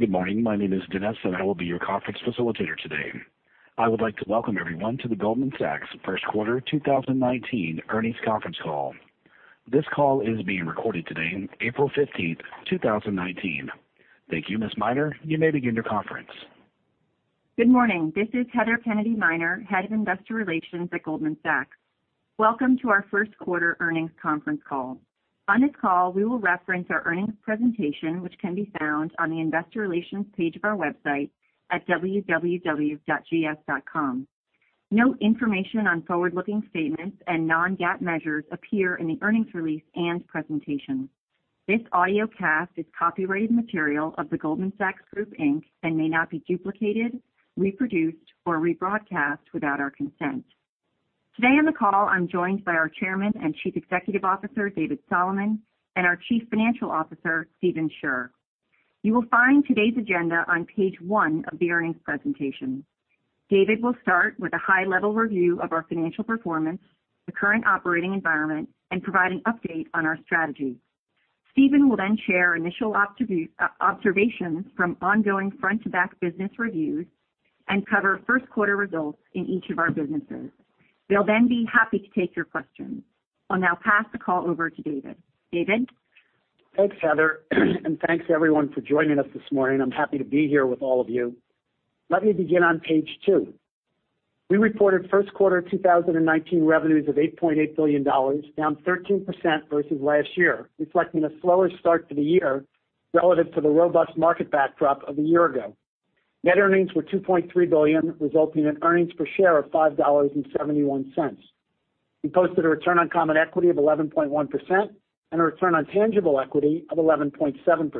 Good morning. My name is Denise, I will be your conference facilitator today. I would like to welcome everyone to the Goldman Sachs First Quarter 2019 Earnings Conference Call. This call is being recorded today, April 15th, 2019. Thank you, Ms. Miner. You may begin your conference. Good morning. This is Heather Kennedy Miner, Head of Investor Relations at Goldman Sachs. Welcome to our first-quarter earnings conference call. On this call, we will reference our earnings presentation, which can be found on the investor relations page of our website at www.gs.com. Note information on forward-looking statements and non-GAAP measures appear in the earnings release and presentation. This audiocast is copyrighted material of The Goldman Sachs Group Inc. and may not be duplicated, reproduced, or rebroadcast without our consent. Today on the call, I'm joined by our Chairman and Chief Executive Officer, David Solomon, and our Chief Financial Officer, Stephen Scherr. You will find today's agenda on page one of the earnings presentation. David will start with a high-level review of our financial performance, the current operating environment, and provide an update on our strategy. Stephen will share initial observations from ongoing front-to-back business reviews and cover first-quarter results in each of our businesses. They'll be happy to take your questions. I'll now pass the call over to David. David? Thanks, Heather, thanks, everyone, for joining us this morning. I'm happy to be here with all of you. Let me begin on page two. We reported first quarter 2019 revenues of $8.8 billion, down 13% versus last year, reflecting a slower start to the year relative to the robust market backdrop of a year ago. Net earnings were $2.3 billion, resulting in earnings per share of $5.71. We posted a return on common equity of 11.1% and a return on tangible equity of 11.7%.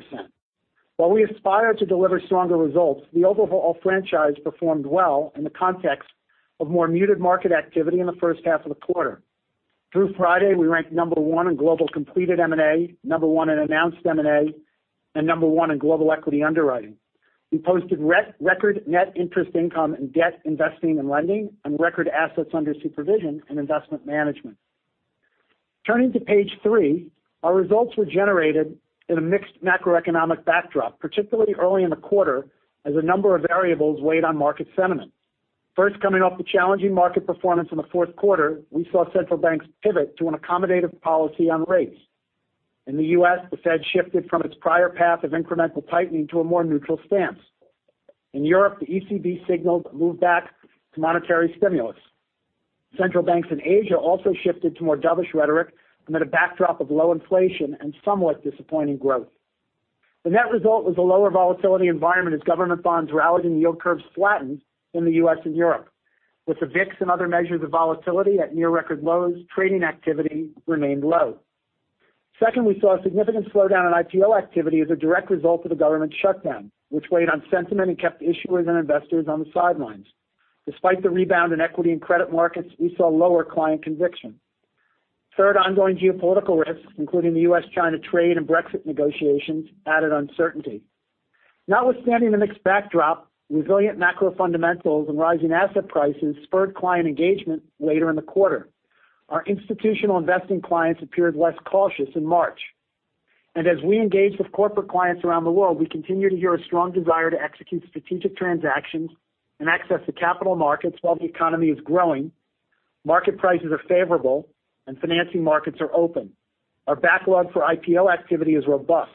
While we aspire to deliver stronger results, the overall franchise performed well in the context of more muted market activity in the first half of the quarter. Through Friday, we ranked number 1 in global completed M&A, number 1 in announced M&A, and number 1 in global equity underwriting. We posted record net interest income in debt investing and lending and record assets under supervision in investment management. Turning to page three, our results were generated in a mixed macroeconomic backdrop, particularly early in the quarter, as a number of variables weighed on market sentiment. First, coming off the challenging market performance in the fourth quarter, we saw central banks pivot to an accommodative policy on rates. In the U.S., the Fed shifted from its prior path of incremental tightening to a more neutral stance. In Europe, the ECB signaled a move back to monetary stimulus. Central banks in Asia also shifted to more dovish rhetoric amid a backdrop of low inflation and somewhat disappointing growth. The net result was a lower volatility environment as government bonds rallied and yield curves flattened in the U.S. and Europe. With the VIX and other measures of volatility at near-record lows, trading activity remained low. Second, we saw a significant slowdown in IPO activity as a direct result of the government shutdown, which weighed on sentiment and kept issuers and investors on the sidelines. Despite the rebound in equity and credit markets, we saw lower client conviction. Third, ongoing geopolitical risks, including the U.S.-China trade and Brexit negotiations, added uncertainty. Notwithstanding the mixed backdrop, resilient macro fundamentals and rising asset prices spurred client engagement later in the quarter. Our institutional investing clients appeared less cautious in March. As we engage with corporate clients around the world, we continue to hear a strong desire to execute strategic transactions and access the capital markets while the economy is growing, market prices are favorable, and financing markets are open. Our backlog for IPO activity is robust.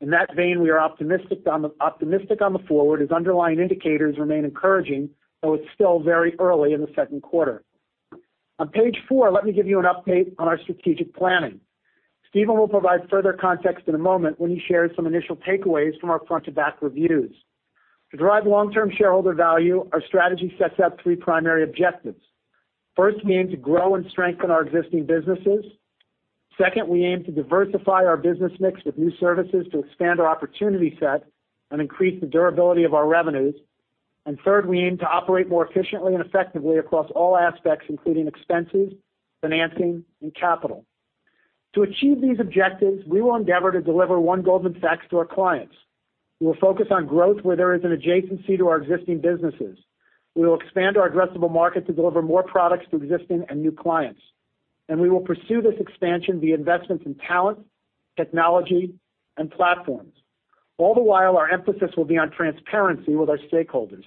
In that vein, we are optimistic on the forward as underlying indicators remain encouraging, though it's still very early in the second quarter. On page four, let me give you an update on our strategic planning. Stephen will provide further context in a moment when he shares some initial takeaways from our front-to-back reviews. To drive long-term shareholder value, our strategy sets out three primary objectives. First, we aim to grow and strengthen our existing businesses. Second, we aim to diversify our business mix with new services to expand our opportunity set and increase the durability of our revenues. Third, we aim to operate more efficiently and effectively across all aspects, including expenses, financing, and capital. To achieve these objectives, we will endeavor to deliver One Goldman Sachs to our clients. We will focus on growth where there is an adjacency to our existing businesses. We will expand our addressable market to deliver more products to existing and new clients. We will pursue this expansion via investments in talent, technology, and platforms. All the while, our emphasis will be on transparency with our stakeholders.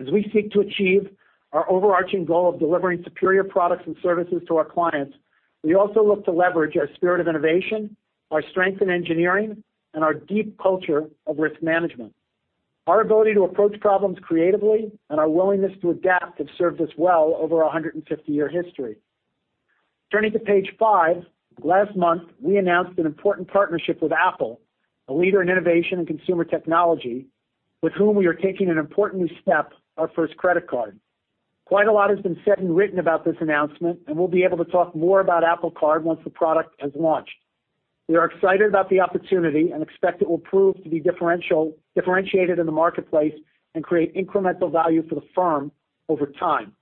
As we seek to achieve our overarching goal of delivering superior products and services to our clients, we also look to leverage our spirit of innovation, our strength in engineering, and our deep culture of risk management. Our ability to approach problems creatively and our willingness to adapt have served us well over our 150-year history. Turning to page five, last month, we announced an important partnership with Apple, a leader in innovation and consumer technology, with whom we are taking an important new step, our first credit card. Quite a lot has been said and written about this announcement. We'll be able to talk more about Apple Card once the product has launched. We are excited about the opportunity and expect it will prove to be differentiated in the marketplace and create incremental value for the firm over time.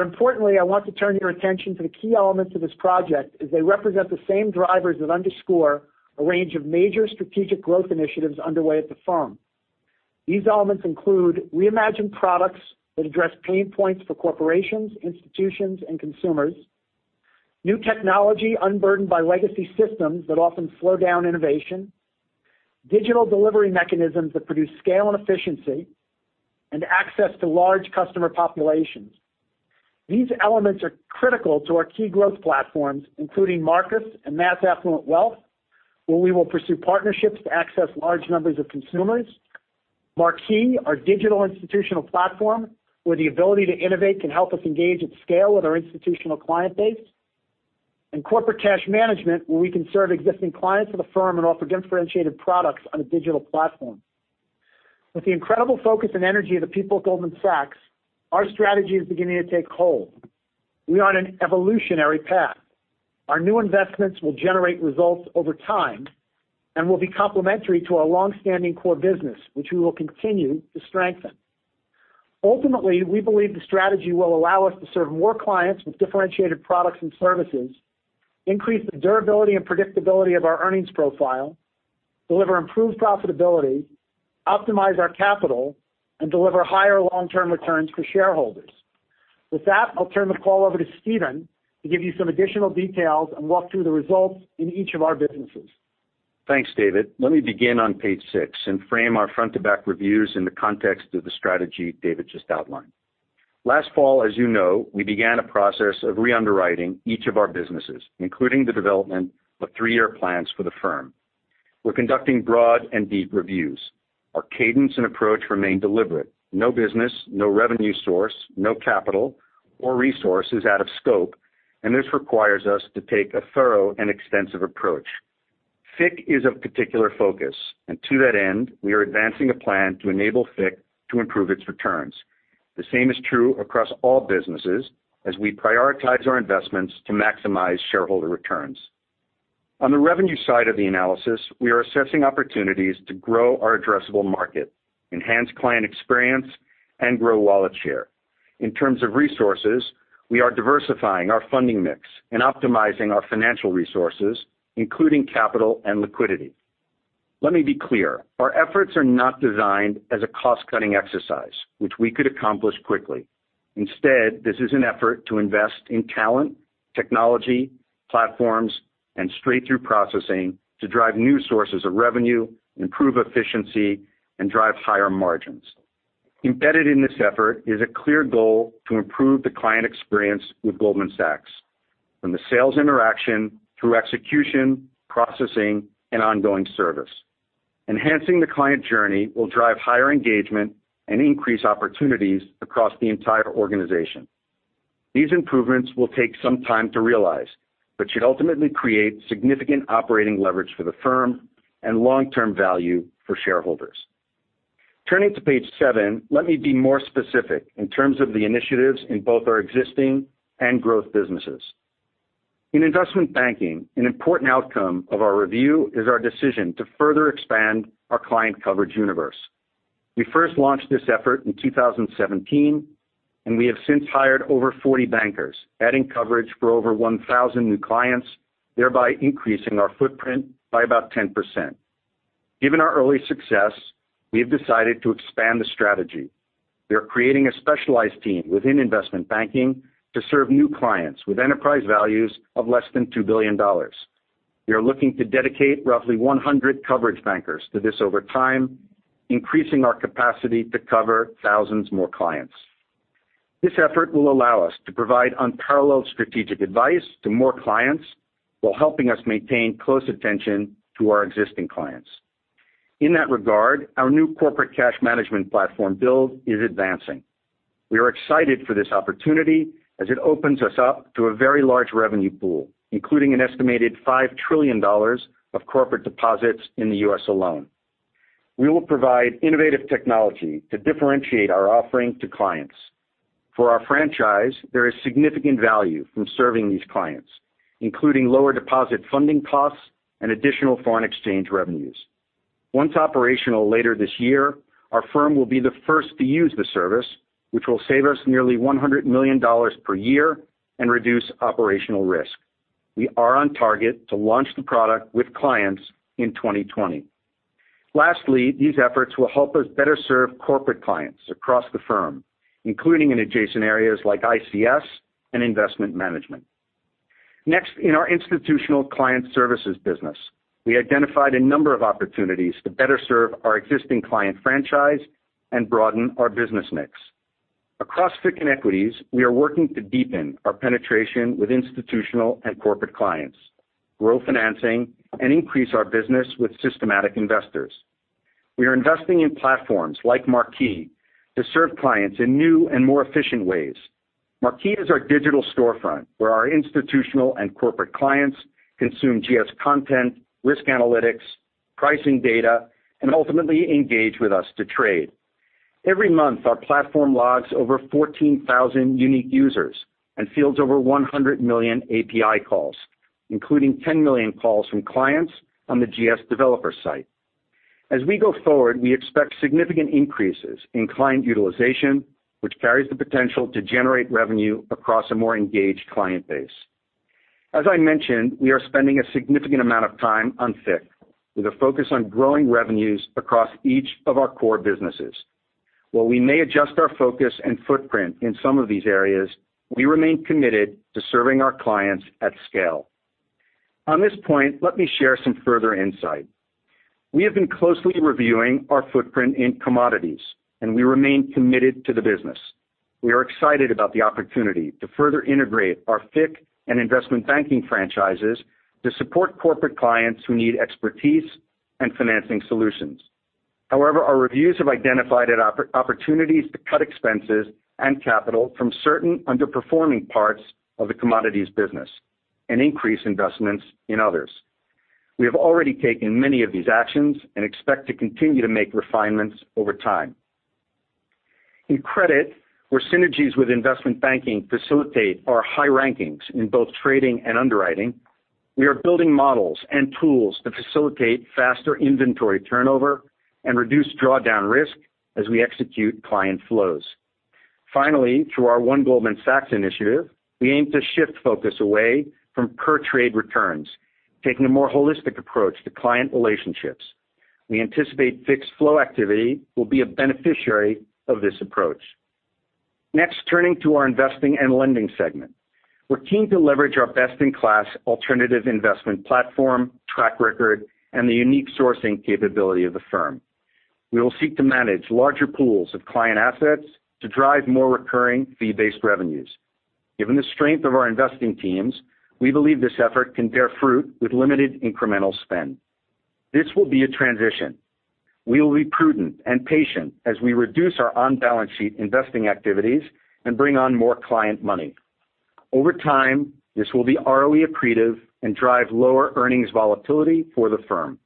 Importantly, I want to turn your attention to the key elements of this project, as they represent the same drivers that underscore a range of major strategic growth initiatives underway at the firm. These elements include reimagined products that address pain points for corporations, institutions, and consumers, new technology unburdened by legacy systems that often slow down innovation, digital delivery mechanisms that produce scale and efficiency, and access to large customer populations. These elements are critical to our key growth platforms, including Marcus and Mass Affluent Wealth, where we will pursue partnerships to access large numbers of consumers. Marquee, our digital institutional platform, where the ability to innovate can help us engage at scale with our institutional client base. Corporate Cash Management, where we can serve existing clients of the firm and offer differentiated products on a digital platform. With the incredible focus and energy of the people at Goldman Sachs, our strategy is beginning to take hold. We are on an evolutionary path. Our new investments will generate results over time and will be complementary to our longstanding core business, which we will continue to strengthen. Ultimately, we believe the strategy will allow us to serve more clients with differentiated products and services, increase the durability and predictability of our earnings profile, deliver improved profitability, optimize our capital, and deliver higher long-term returns for shareholders. With that, I'll turn the call over to Stephen to give you some additional details and walk through the results in each of our businesses. Thanks, David. Let me begin on page six and frame our front-to-back reviews in the context of the strategy David just outlined. Last fall, as you know, we began a process of re-underwriting each of our businesses, including the development of three-year plans for the firm. We're conducting broad and deep reviews. Our cadence and approach remain deliberate. No business, no revenue source, no capital or resource is out of scope, and this requires us to take a thorough and extensive approach. FICC is of particular focus, and to that end, we are advancing a plan to enable FICC to improve its returns. The same is true across all businesses as we prioritize our investments to maximize shareholder returns. On the revenue side of the analysis, we are assessing opportunities to grow our addressable market, enhance client experience, and grow wallet share. In terms of resources, we are diversifying our funding mix and optimizing our financial resources, including capital and liquidity. Let me be clear, our efforts are not designed as a cost-cutting exercise, which we could accomplish quickly. Instead, this is an effort to invest in talent, technology, platforms, and straight-through processing to drive new sources of revenue, improve efficiency, and drive higher margins. Embedded in this effort is a clear goal to improve the client experience with Goldman Sachs, from the sales interaction through execution, processing, and ongoing service. Enhancing the client journey will drive higher engagement and increase opportunities across the entire organization. These improvements will take some time to realize but should ultimately create significant operating leverage for the firm and long-term value for shareholders. Turning to page seven, let me be more specific in terms of the initiatives in both our existing and growth businesses. In investment banking, an important outcome of our review is our decision to further expand our client coverage universe. We first launched this effort in 2017, and we have since hired over 40 bankers, adding coverage for over 1,000 new clients, thereby increasing our footprint by about 10%. Given our early success, we have decided to expand the strategy. We are creating a specialized team within investment banking to serve new clients with enterprise values of less than $2 billion. We are looking to dedicate roughly 100 coverage bankers to this over time, increasing our capacity to cover thousands more clients. This effort will allow us to provide unparalleled strategic advice to more clients while helping us maintain close attention to our existing clients. In that regard, our new Corporate Cash Management platform build is advancing. We are excited for this opportunity as it opens us up to a very large revenue pool, including an estimated $5 trillion of corporate deposits in the U.S. alone. We will provide innovative technology to differentiate our offering to clients. For our franchise, there is significant value from serving these clients, including lower deposit funding costs and additional foreign exchange revenues. Once operational later this year, our firm will be the first to use the service, which will save us nearly $100 million per year and reduce operational risk. We are on target to launch the product with clients in 2020. Lastly, these efforts will help us better serve corporate clients across the firm, including in adjacent areas like ICS and investment management. Next, in our institutional client services business, we identified a number of opportunities to better serve our existing client franchise and broaden our business mix. Across FICC and equities, we are working to deepen our penetration with institutional and corporate clients, grow financing, and increase our business with systematic investors. We are investing in platforms like Marquee to serve clients in new and more efficient ways. Marquee is our digital storefront where our institutional and corporate clients consume GS content, risk analytics, pricing data, and ultimately engage with us to trade. Every month, our platform logs over 14,000 unique users and fields over 100 million API calls, including 10 million calls from clients on the GS developer site. As we go forward, we expect significant increases in client utilization, which carries the potential to generate revenue across a more engaged client base. As I mentioned, we are spending a significant amount of time on FICC, with a focus on growing revenues across each of our core businesses. While we may adjust our focus and footprint in some of these areas, we remain committed to serving our clients at scale. On this point, let me share some further insight. We have been closely reviewing our footprint in commodities, and we remain committed to the business. We are excited about the opportunity to further integrate our FICC and investment banking franchises to support corporate clients who need expertise and financing solutions. Our reviews have identified opportunities to cut expenses and capital from certain underperforming parts of the commodities business and increase investments in others. We have already taken many of these actions and expect to continue to make refinements over time. In credit, where synergies with investment banking facilitate our high rankings in both trading and underwriting, we are building models and tools to facilitate faster inventory turnover and reduce drawdown risk as we execute client flows. Through our One Goldman Sachs initiative, we aim to shift focus away from per-trade returns, taking a more holistic approach to client relationships. We anticipate FICC's flow activity will be a beneficiary of this approach. Turning to our investing and lending segment. We're keen to leverage our best-in-class alternative investment platform, track record, and the unique sourcing capability of the firm. We will seek to manage larger pools of client assets to drive more recurring fee-based revenues. Given the strength of our investing teams, we believe this effort can bear fruit with limited incremental spend. This will be a transition. We will be prudent and patient as we reduce our on-balance sheet investing activities and bring on more client money. Over time, this will be ROE accretive and drive lower earnings volatility for the firm.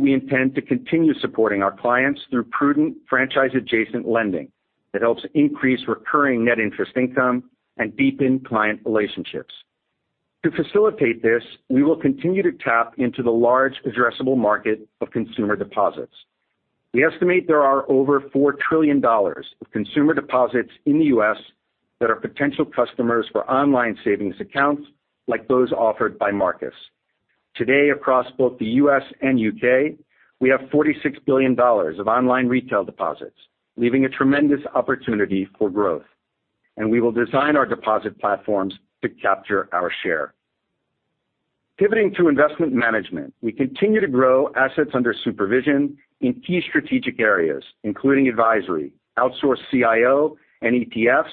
We intend to continue supporting our clients through prudent franchise-adjacent lending that helps increase recurring net interest income and deepen client relationships. To facilitate this, we will continue to tap into the large addressable market of consumer deposits. We estimate there are over $4 trillion of consumer deposits in the U.S. that are potential customers for online savings accounts like those offered by Marcus. Today, across both the U.S. and U.K., we have $46 billion of online retail deposits, leaving a tremendous opportunity for growth, and we will design our deposit platforms to capture our share. Pivoting to investment management, we continue to grow assets under supervision in key strategic areas, including advisory, outsourced CIO and ETFs,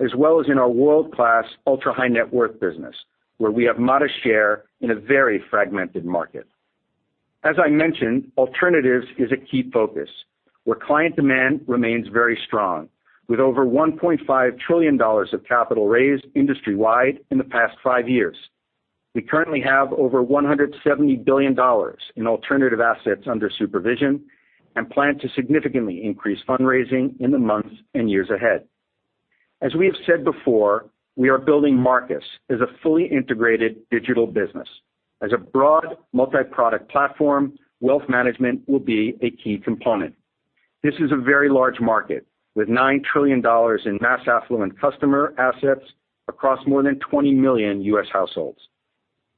as well as in our world-class ultra-high-net-worth business, where we have modest share in a very fragmented market. As I mentioned, alternatives is a key focus, where client demand remains very strong, with over $1.5 trillion of capital raised industry-wide in the past five years. We currently have over $170 billion in alternative assets under supervision and plan to significantly increase fundraising in the months and years ahead. As we have said before, we are building Marcus as a fully integrated digital business. As a broad multi-product platform, wealth management will be a key component. This is a very large market, with $9 trillion in mass affluent customer assets across more than 20 million U.S. households.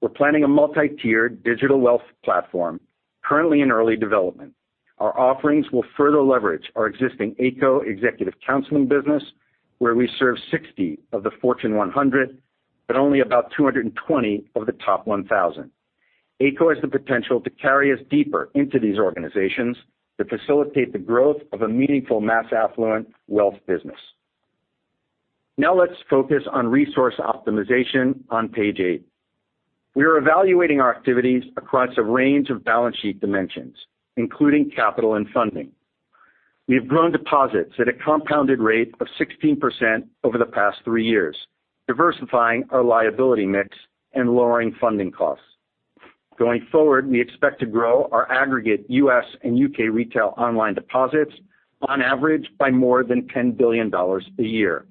We're planning a multi-tiered digital wealth platform currently in early development. Our offerings will further leverage our existing Ayco executive counseling business, where we serve 60 of the Fortune 100, but only about 220 of the top 1,000. Ayco has the potential to carry us deeper into these organizations to facilitate the growth of a meaningful mass affluent wealth business. Let's focus on resource optimization on page eight. We are evaluating our activities across a range of balance sheet dimensions, including capital and funding. We have grown deposits at a compounded rate of 16% over the past three years, diversifying our liability mix and lowering funding costs. Going forward, we expect to grow our aggregate U.S. and U.K. retail online deposits on average by more than $10 billion a year.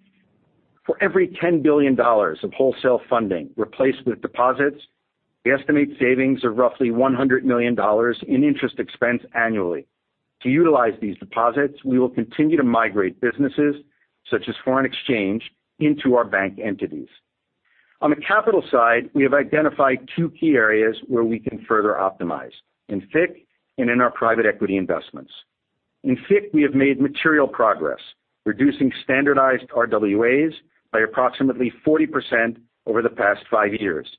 For every $10 billion of wholesale funding replaced with deposits, we estimate savings of roughly $100 million in interest expense annually. To utilize these deposits, we will continue to migrate businesses, such as foreign exchange, into our bank entities. On the capital side, we have identified two key areas where we can further optimize, in FICC and in our private equity investments. In FICC, we have made material progress, reducing standardized RWAs by approximately 40% over the past five years.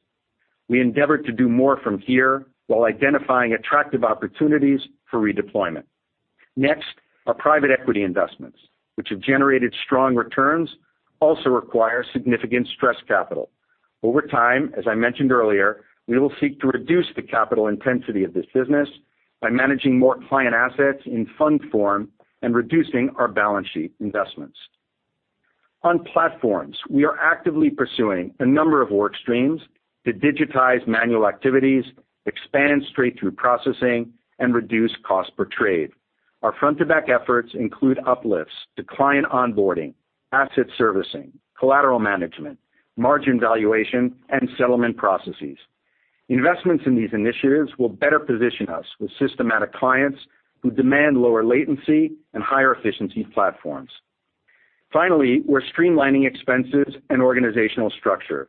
We endeavor to do more from here while identifying attractive opportunities for redeployment. Our private equity investments, which have generated strong returns, also require significant stress capital. Over time, as I mentioned earlier, we will seek to reduce the capital intensity of this business by managing more client assets in fund form and reducing our balance sheet investments. On platforms, we are actively pursuing a number of work streams to digitize manual activities, expand straight-through processing, and reduce cost per trade. Our front-to-back efforts include uplifts to client onboarding, asset servicing, collateral management, margin valuation, and settlement processes. Investments in these initiatives will better position us with systematic clients who demand lower latency and higher efficiency platforms. Finally, we are streamlining expenses and organizational structure.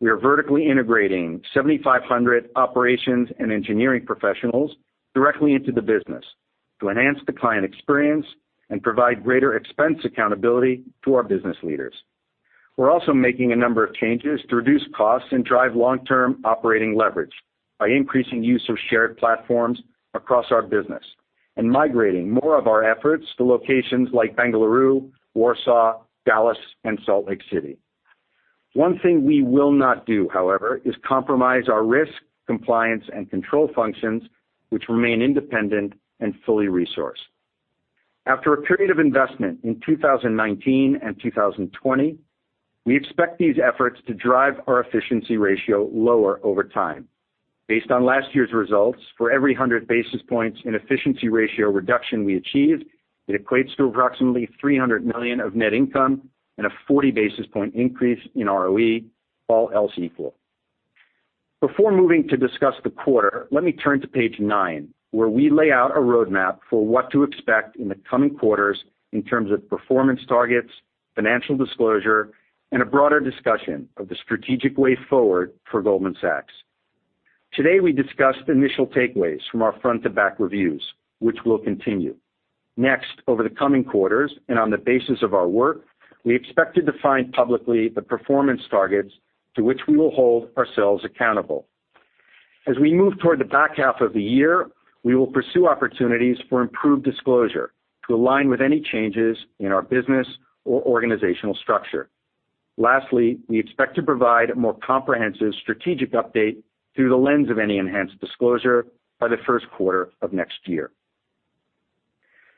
We are vertically integrating 7,500 operations and engineering professionals directly into the business to enhance the client experience and provide greater expense accountability to our business leaders. We are also making a number of changes to reduce costs and drive long-term operating leverage by increasing use of shared platforms across our business and migrating more of our efforts to locations like Bengaluru, Warsaw, Dallas, and Salt Lake City. One thing we will not do, however, is compromise our risk, compliance, and control functions, which remain independent and fully resourced. After a period of investment in 2019 and 2020, we expect these efforts to drive our efficiency ratio lower over time. Based on last year's results, for every 100 basis points in efficiency ratio reduction we achieved, it equates to approximately $300 million of net income and a 40-basis-point increase in ROE, all else equal. Before moving to discuss the quarter, let me turn to page nine, where we lay out a roadmap for what to expect in the coming quarters in terms of performance targets, financial disclosure, and a broader discussion of the strategic way forward for Goldman Sachs. Today, we discussed initial takeaways from our front-to-back reviews, which we will continue. Over the coming quarters and on the basis of our work, we expect to define publicly the performance targets to which we will hold ourselves accountable. As we move toward the back half of the year, we will pursue opportunities for improved disclosure to align with any changes in our business or organizational structure. Lastly, we expect to provide a more comprehensive strategic update through the lens of any enhanced disclosure by the first quarter of next year.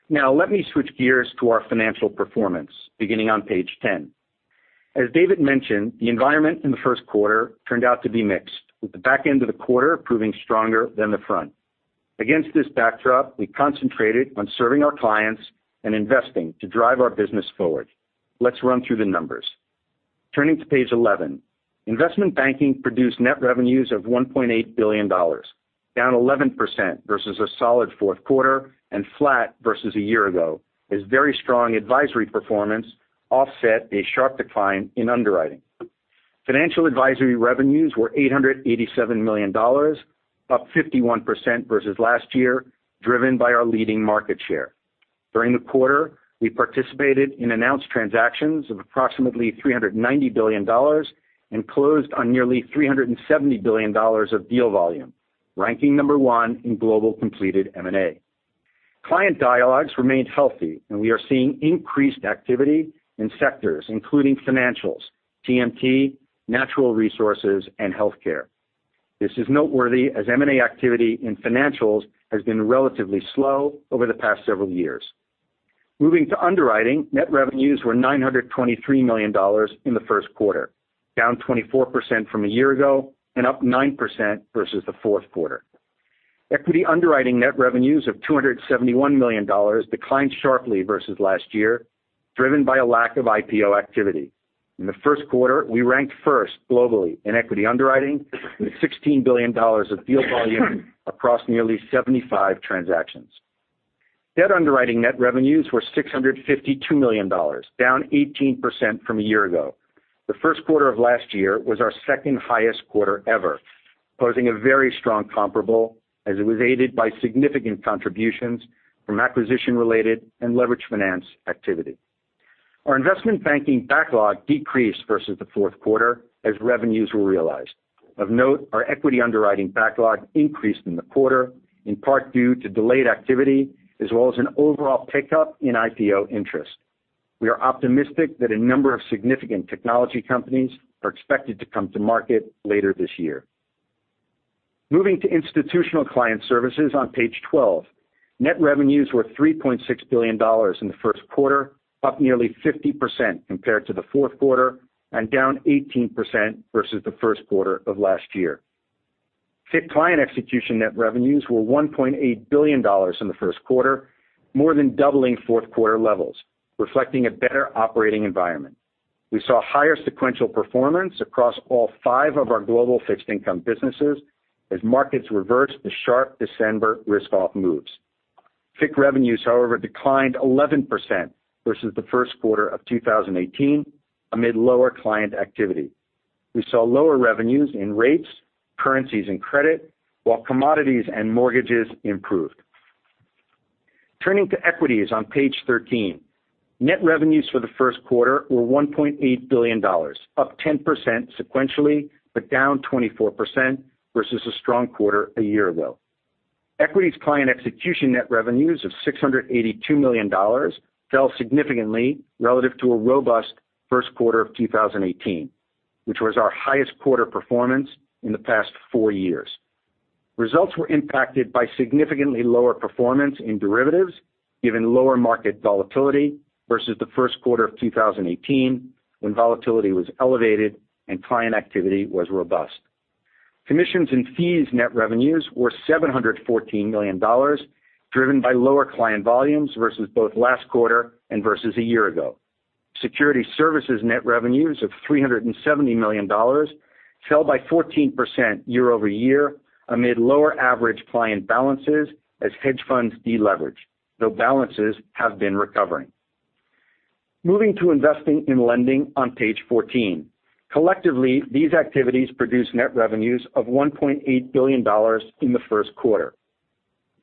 Now, let me switch gears to our financial performance, beginning on page 10. As David mentioned, the environment in the first quarter turned out to be mixed, with the back end of the quarter proving stronger than the front. Against this backdrop, we concentrated on serving our clients and investing to drive our business forward. Let's run through the numbers. Turning to page 11, investment banking produced net revenues of $1.8 billion, down 11% versus a solid fourth quarter, and flat versus a year ago, as very strong advisory performance offset a sharp decline in underwriting. Financial advisory revenues were $887 million, up 51% versus last year, driven by our leading market share. During the quarter, we participated in announced transactions of approximately $390 billion and closed on nearly $370 billion of deal volume, ranking number 1 in global completed M&A. Client dialogues remained healthy, and we are seeing increased activity in sectors including financials, TMT, natural resources, and healthcare. This is noteworthy as M&A activity in financials has been relatively slow over the past several years. Moving to underwriting, net revenues were $923 million in the first quarter, down 24% from a year ago and up 9% versus the fourth quarter. Equity underwriting net revenues of $271 million declined sharply versus last year, driven by a lack of IPO activity. In the first quarter, we ranked first globally in equity underwriting with $16 billion of deal volume across nearly 75 transactions. Debt underwriting net revenues were $652 million, down 18% from a year ago. The first quarter of last year was our second-highest quarter ever, posing a very strong comparable as it was aided by significant contributions from acquisition-related and leverage finance activity. Our investment banking backlog decreased versus the fourth quarter as revenues were realized. Of note, our equity underwriting backlog increased in the quarter, in part due to delayed activity as well as an overall pickup in IPO interest. We are optimistic that a number of significant technology companies are expected to come to market later this year. Moving to institutional client services on page 12. Net revenues were $3.6 billion in the first quarter, up nearly 50% compared to the fourth quarter and down 18% versus the first quarter of last year. FICC client execution net revenues were $1.8 billion in the first quarter, more than doubling fourth quarter levels, reflecting a better operating environment. We saw higher sequential performance across all five of our global fixed income businesses as markets reversed the sharp December risk-off moves. FICC revenues, however, declined 11% versus the first quarter of 2018 amid lower client activity. We saw lower revenues in rates, currencies, and credit, while commodities and mortgages improved. Turning to equities on page 13. Net revenues for the first quarter were $1.8 billion, up 10% sequentially, but down 24% versus a strong quarter a year ago. Equities client execution net revenues of $682 million fell significantly relative to a robust first quarter of 2018, which was our highest quarter performance in the past four years. Results were impacted by significantly lower performance in derivatives, given lower market volatility versus the first quarter of 2018, when volatility was elevated and client activity was robust. Commissions and fees net revenues were $714 million, driven by lower client volumes versus both last quarter and versus a year ago. Security services net revenues of $370 million fell by 14% year-over-year amid lower average client balances as hedge funds de-leverage, though balances have been recovering. Moving to investing in lending on page 14. Collectively, these activities produce net revenues of $1.8 billion in the first quarter.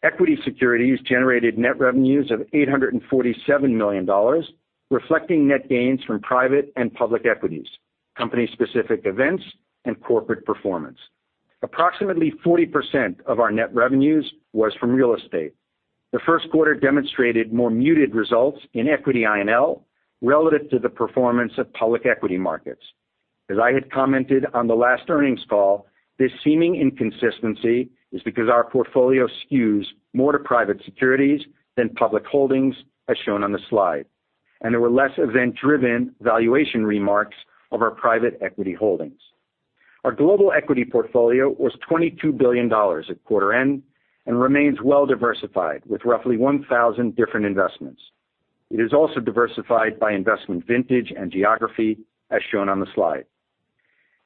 Equity securities generated net revenues of $847 million, reflecting net gains from private and public equities, company-specific events, and corporate performance. Approximately 40% of our net revenues was from real estate. The first quarter demonstrated more muted results in equity INL relative to the performance of public equity markets. As I had commented on the last earnings call, this seeming inconsistency is because our portfolio skews more to private securities than public holdings, as shown on the slide, and there were less event-driven valuation remarks of our private equity holdings. Our global equity portfolio was $22 billion at quarter end and remains well-diversified with roughly 1,000 different investments. It is also diversified by investment vintage and geography as shown on the slide.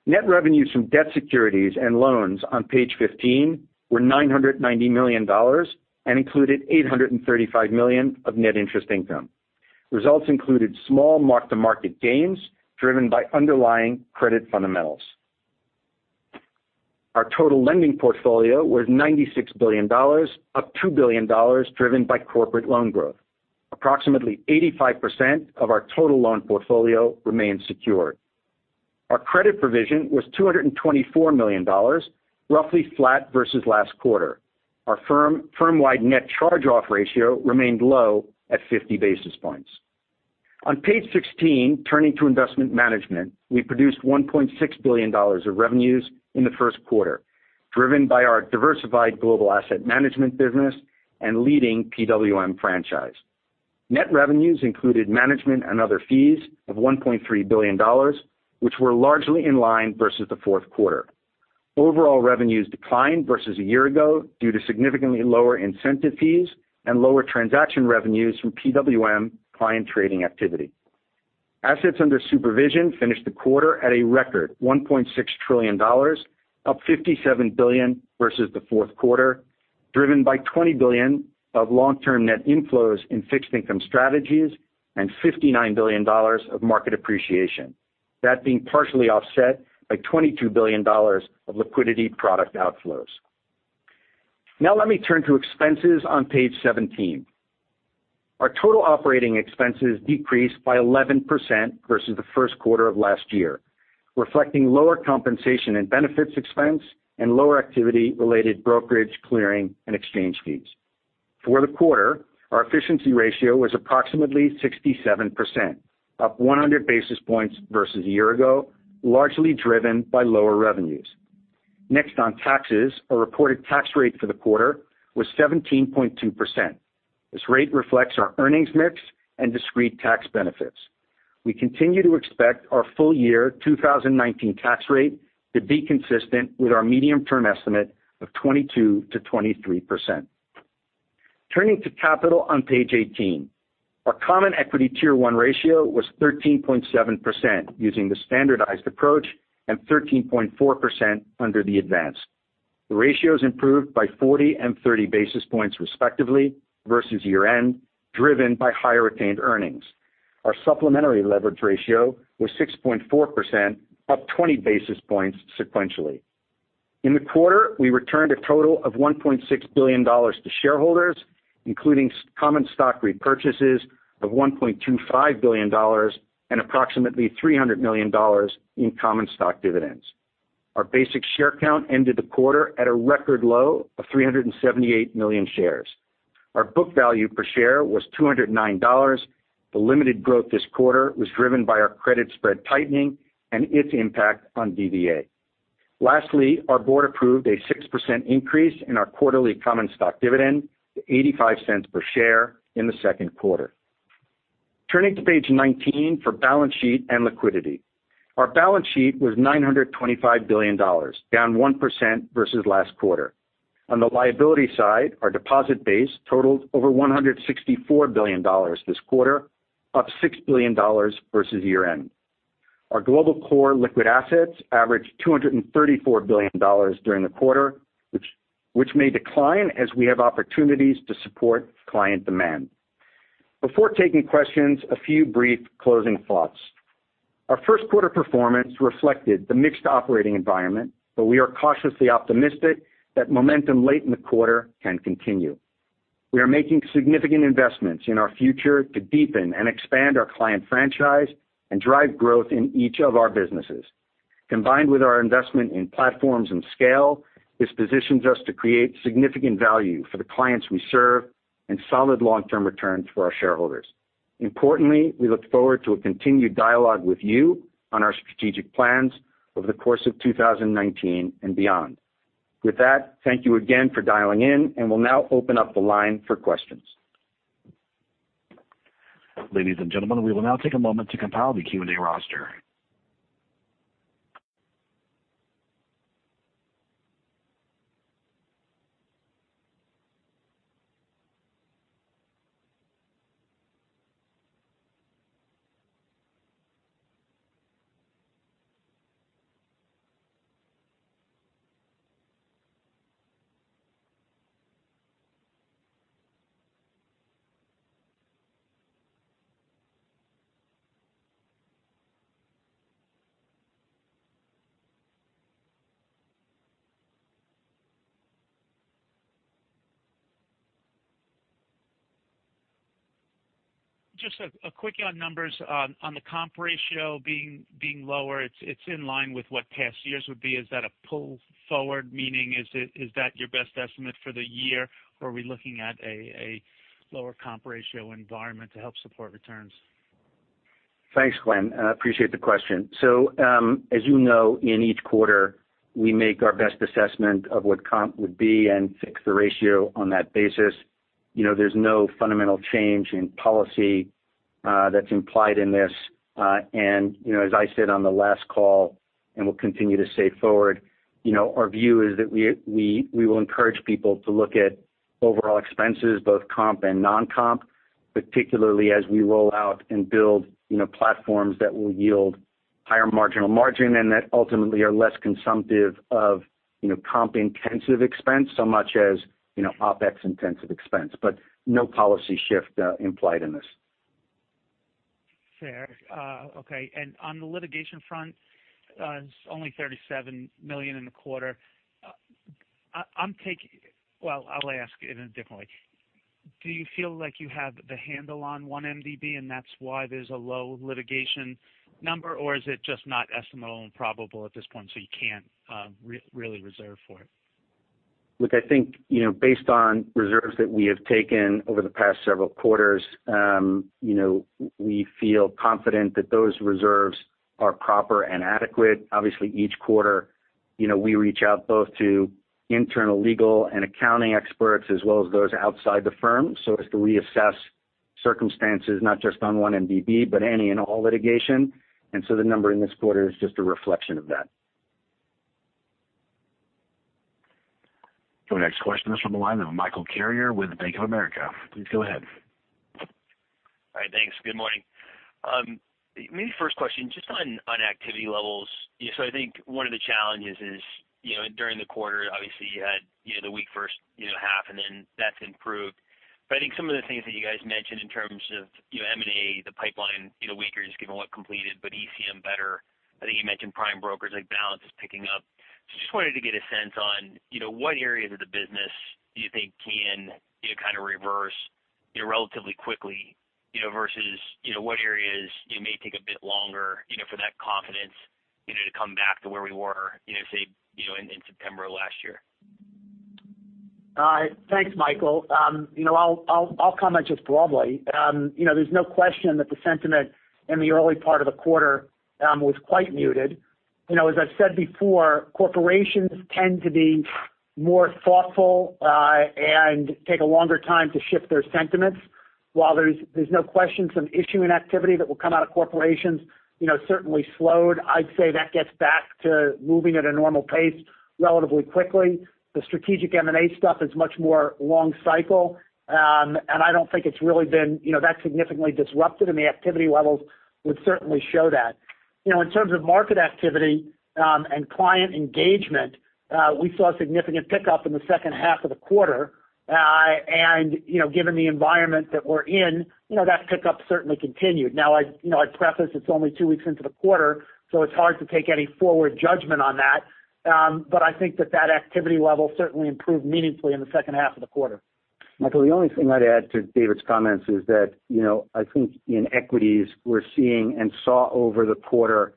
Net revenues from debt securities and loans on page 15 were $990 million and included $835 million of net interest income. Results included small mark-to-market gains driven by underlying credit fundamentals. Our total lending portfolio was $96 billion, up $2 billion driven by corporate loan growth. Approximately 85% of our total loan portfolio remains secured. Our credit provision was $224 million, roughly flat versus last quarter. Our firm-wide net charge-off ratio remained low at 50 basis points. On page 16, turning to investment management, we produced $1.6 billion of revenues in the first quarter, driven by our diversified global asset management business and leading PWM franchise. Net revenues included management and other fees of $1.3 billion, which were largely in line versus the fourth quarter. Overall revenues declined versus a year ago due to significantly lower incentive fees and lower transaction revenues from PWM client trading activity. Assets under supervision finished the quarter at a record $1.6 trillion, up $57 billion versus the fourth quarter, driven by $20 billion of long-term net inflows in fixed income strategies and $59 billion of market appreciation. That being partially offset by $22 billion of liquidity product outflows. Let me turn to expenses on page 17. Our total operating expenses decreased by 11% versus the first quarter of last year, reflecting lower compensation and benefits expense and lower activity related brokerage, clearing, and exchange fees. For the quarter, our efficiency ratio was approximately 67%, up 100 basis points versus a year ago, largely driven by lower revenues. Next on taxes, our reported tax rate for the quarter was 17.2%. This rate reflects our earnings mix and discrete tax benefits. We continue to expect our full year 2019 tax rate to be consistent with our medium-term estimate of 22%-23%. Turning to capital on page 18. Our common equity Tier 1 ratio was 13.7% using the standardized approach, and 13.4% under the advanced. The ratios improved by 40 and 30 basis points respectively versus year-end, driven by higher retained earnings. Our supplementary leverage ratio was 6.4%, up 20 basis points sequentially. In the quarter, we returned a total of $1.6 billion to shareholders, including common stock repurchases of $1.25 billion and approximately $300 million in common stock dividends. Our basic share count ended the quarter at a record low of 378 million shares. Our book value per share was $209. The limited growth this quarter was driven by our credit spread tightening and its impact on DVA. Lastly, our board approved a 6% increase in our quarterly common stock dividend to $0.85 per share in the second quarter. Turning to page 19 for balance sheet and liquidity. Our balance sheet was $925 billion, down 1% versus last quarter. On the liability side, our deposit base totaled over $164 billion this quarter, up $6 billion versus year-end. Our global core liquid assets averaged $234 billion during the quarter, which may decline as we have opportunities to support client demand. Before taking questions, a few brief closing thoughts. Our first quarter performance reflected the mixed operating environment. We are cautiously optimistic that momentum late in the quarter can continue. We are making significant investments in our future to deepen and expand our client franchise and drive growth in each of our businesses. Combined with our investment in platforms and scale, this positions us to create significant value for the clients we serve and solid long-term returns for our shareholders. Importantly, we look forward to a continued dialogue with you on our strategic plans over the course of 2019 and beyond. With that, thank you again for dialing in. We'll now open up the line for questions. Ladies and gentlemen, we will now take a moment to compile the Q&A roster. Just a quick on numbers on the comp ratio being lower. It's in line with what past years would be. Is that a pull forward, meaning is that your best estimate for the year? Are we looking at a lower comp ratio environment to help support returns? Thanks, Glenn. I appreciate the question. As you know, in each quarter, we make our best assessment of what comp would be and fix the ratio on that basis. There's no fundamental change in policy that's implied in this. As I said on the last call, and will continue to say forward, our view is that we will encourage people to look at overall expenses, both comp and non-comp, particularly as we roll out and build platforms that will yield higher marginal margin and that ultimately are less consumptive of comp-intensive expense, so much as, OPEX intensive expense. No policy shift implied in this. Fair. Okay. On the litigation front, it's only $37 million in the quarter. I'll ask it in a different way. Do you feel like you have the handle on 1MDB, and that's why there's a low litigation number? Or is it just not estimable and probable at this point, so you can't really reserve for it? I think, based on reserves that we have taken over the past several quarters, we feel confident that those reserves are proper and adequate. Obviously, each quarter, we reach out both to internal legal and accounting experts as well as those outside the firm, so as to reassess circumstances, not just on 1MDB, but any and all litigation. The number in this quarter is just a reflection of that. The next question is from the line of Michael Carrier with Bank of America. Please go ahead. All right. Thanks. Good morning. Maybe first question just on activity levels. I think one of the challenges is, during the quarter, obviously you had the weak first half, and then that's improved. I think some of the things that you guys mentioned in terms of M&A, the pipeline weaker just given what completed, but ECM better. I think you mentioned prime brokerage like balance is picking up. Just wanted to get a sense on what areas of the business do you think can kind of reverse relatively quickly versus what areas you may take a bit longer for that confidence to come back to where we were, say, in September of last year. Thanks, Michael. I'll comment just broadly. There's no question that the sentiment in the early part of the quarter was quite muted. As I've said before, corporations tend to be more thoughtful and take a longer time to shift their sentiments. While there's no question some issue in activity that will come out of corporations certainly slowed. I'd say that gets back to moving at a normal pace relatively quickly. The strategic M&A stuff is much more long cycle. I don't think it's really been that significantly disrupted, and the activity levels would certainly show that. In terms of market activity and client engagement, we saw significant pickup in the second half of the quarter. Given the environment that we're in, that pickup certainly continued. I'd preface it's only two weeks into the quarter, so it's hard to take any forward judgment on that. I think that that activity level certainly improved meaningfully in the second half of the quarter. Michael, the only thing I'd add to David's comments is that I think in equities we're seeing and saw over the quarter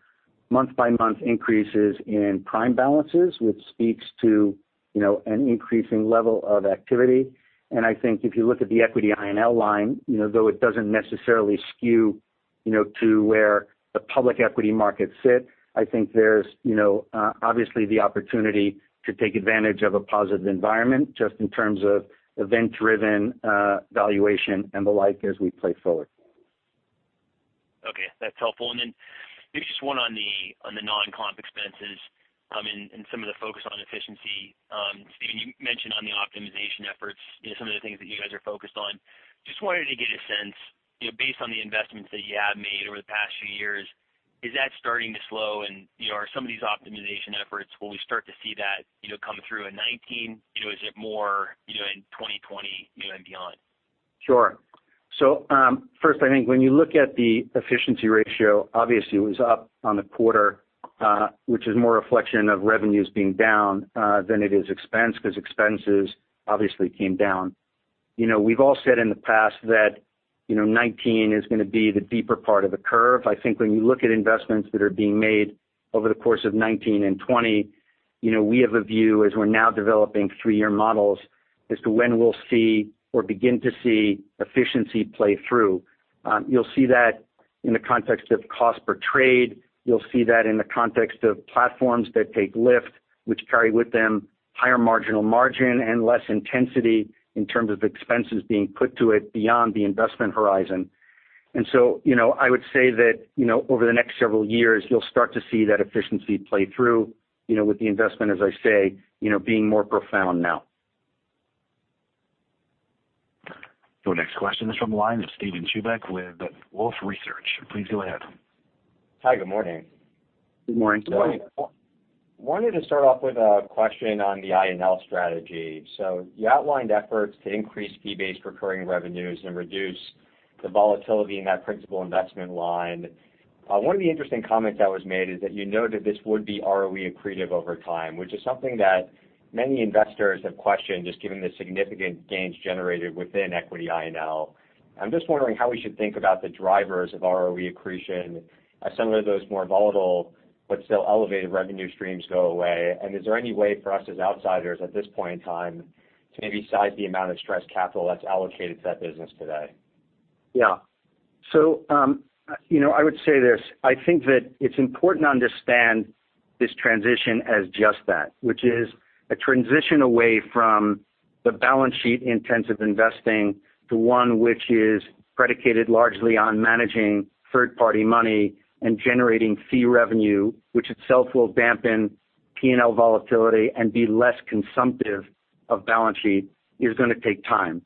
month by month increases in prime balances, which speaks to an increasing level of activity. I think if you look at the equity INL line, though it doesn't necessarily skew to where the public equity markets sit, I think there's obviously the opportunity to take advantage of a positive environment just in terms of event-driven valuation and the like as we play forward. Okay. That's helpful. Maybe just one on the non-comp expenses and some of the focus on efficiency. Stephen, you mentioned on the optimization efforts some of the things that you guys are focused on. Just wanted to get a sense, based on the investments that you have made over the past few years, is that starting to slow? Are some of these optimization efforts, will we start to see that come through in 2019? Is it more in 2020 and beyond? Sure. First, I think when you look at the efficiency ratio, obviously it was up on the quarter which is more a reflection of revenues being down than it is expense because expenses obviously came down. We've all said in the past that 2019 is going to be the deeper part of the curve. I think when you look at investments that are being made over the course of 2019 and 2020, we have a view as we're now developing three-year models as to when we'll see or begin to see efficiency play through. You'll see that in the context of cost per trade. You'll see that in the context of platforms that take lift, which carry with them higher marginal margin and less intensity in terms of expenses being put to it beyond the investment horizon. I would say that over the next several years, you'll start to see that efficiency play through with the investment, as I say, being more profound now. Your next question is from the line of Steven Chubak with Wolfe Research. Please go ahead. Hi, good morning. Good morning. I wanted to start off with a question on the INL strategy. You outlined efforts to increase fee-based recurring revenues and reduce the volatility in that principal investment line. One of the interesting comments that was made is that you noted this would be ROE accretive over time, which is something that many investors have questioned, just given the significant gains generated within equity INL. I'm just wondering how we should think about the drivers of ROE accretion as some of those more volatile but still elevated revenue streams go away. Is there any way for us, as outsiders at this point in time, to maybe size the amount of stress capital that's allocated to that business today? I would say this. I think that it's important to understand this transition as just that. Which is a transition away from the balance sheet-intensive investing to one which is predicated largely on managing third-party money and generating fee revenue, which itself will dampen P&L volatility and be less consumptive of balance sheet, is going to take time.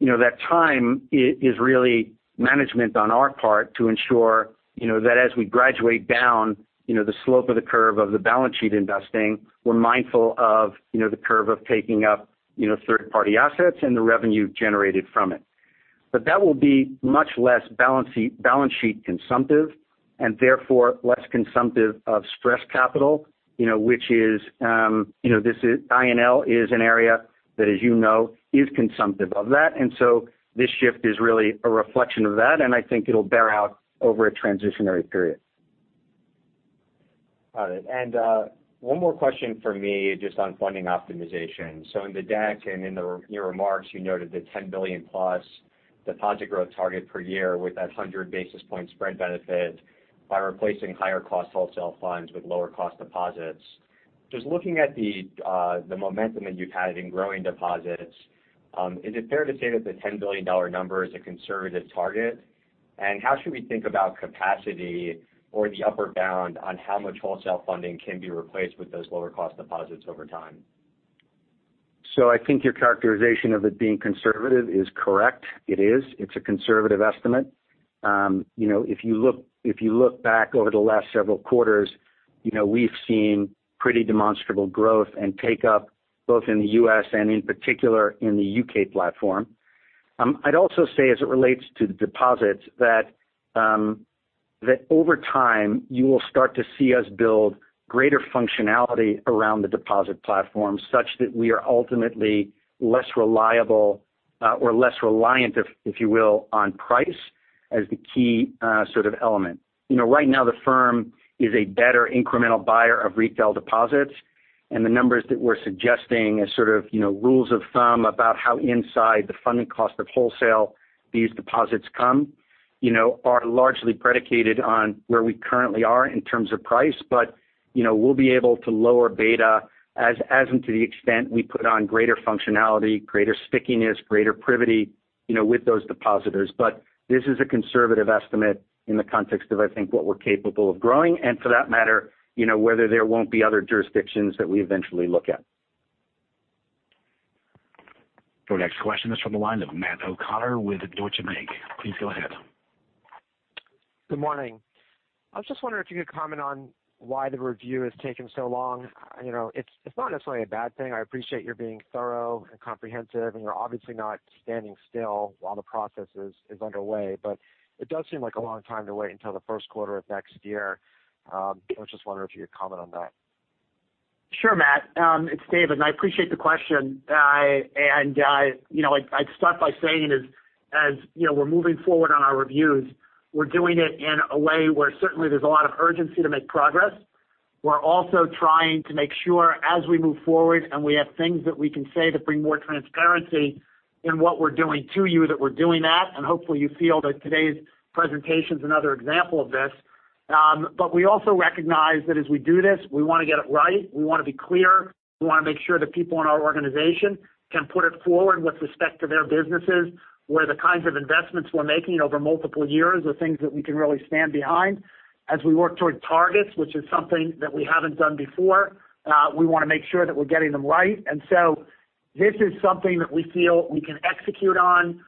That time is really management on our part to ensure that as we graduate down the slope of the curve of the balance sheet investing, we're mindful of the curve of taking up third-party assets and the revenue generated from it. That will be much less balance sheet consumptive and therefore less consumptive of stress capital. INL is an area that, as you know, is consumptive of that. This shift is really a reflection of that, and I think it'll bear out over a transitionary period. Got it. One more question from me just on funding optimization. In the deck and in your remarks, you noted the $10 billion-plus deposit growth target per year with that 100-basis-point spread benefit by replacing higher-cost wholesale funds with lower-cost deposits. Just looking at the momentum that you've had in growing deposits, is it fair to say that the $10 billion number is a conservative target? How should we think about capacity or the upper bound on how much wholesale funding can be replaced with those lower-cost deposits over time? I think your characterization of it being conservative is correct. It is. It's a conservative estimate. If you look back over the last several quarters, we've seen pretty demonstrable growth and take-up both in the U.S. and in particular in the U.K. platform. I'd also say, as it relates to deposits, that over time you will start to see us build greater functionality around the deposit platform such that we are ultimately less reliant, if you will, on price as the key sort of element. Right now the firm is a better incremental buyer of retail deposits. The numbers that we're suggesting as sort of rules of thumb about how inside the funding cost of wholesale these deposits come are largely predicated on where we currently are in terms of price. We'll be able to lower beta as and to the extent we put on greater functionality, greater stickiness, greater privity with those depositors. This is a conservative estimate in the context of, I think, what we're capable of growing, and for that matter, whether there won't be other jurisdictions that we eventually look at. Your next question is from the line of Matt O'Connor with Deutsche Bank. Please go ahead. Good morning. I was just wondering if you could comment on why the review has taken so long. It's not necessarily a bad thing. I appreciate your being thorough and comprehensive, and you're obviously not standing still while the process is underway, but it does seem like a long time to wait until the first quarter of next year. I was just wondering if you could comment on that. Sure, Matt. It's David, and I appreciate the question. I'd start by saying, as we're moving forward on our reviews, we're doing it in a way where certainly there's a lot of urgency to make progress. We're also trying to make sure as we move forward and we have things that we can say to bring more transparency in what we're doing to you, that we're doing that. Hopefully you feel that today's presentation's another example of this. We also recognize that as we do this, we want to get it right. We want to be clear. We want to make sure the people in our organization can put it forward with respect to their businesses, where the kinds of investments we're making over multiple years are things that we can really stand behind. As we work toward targets, which is something that we haven't done before, we want to make sure that we're getting them right. This is something that we feel we can execute on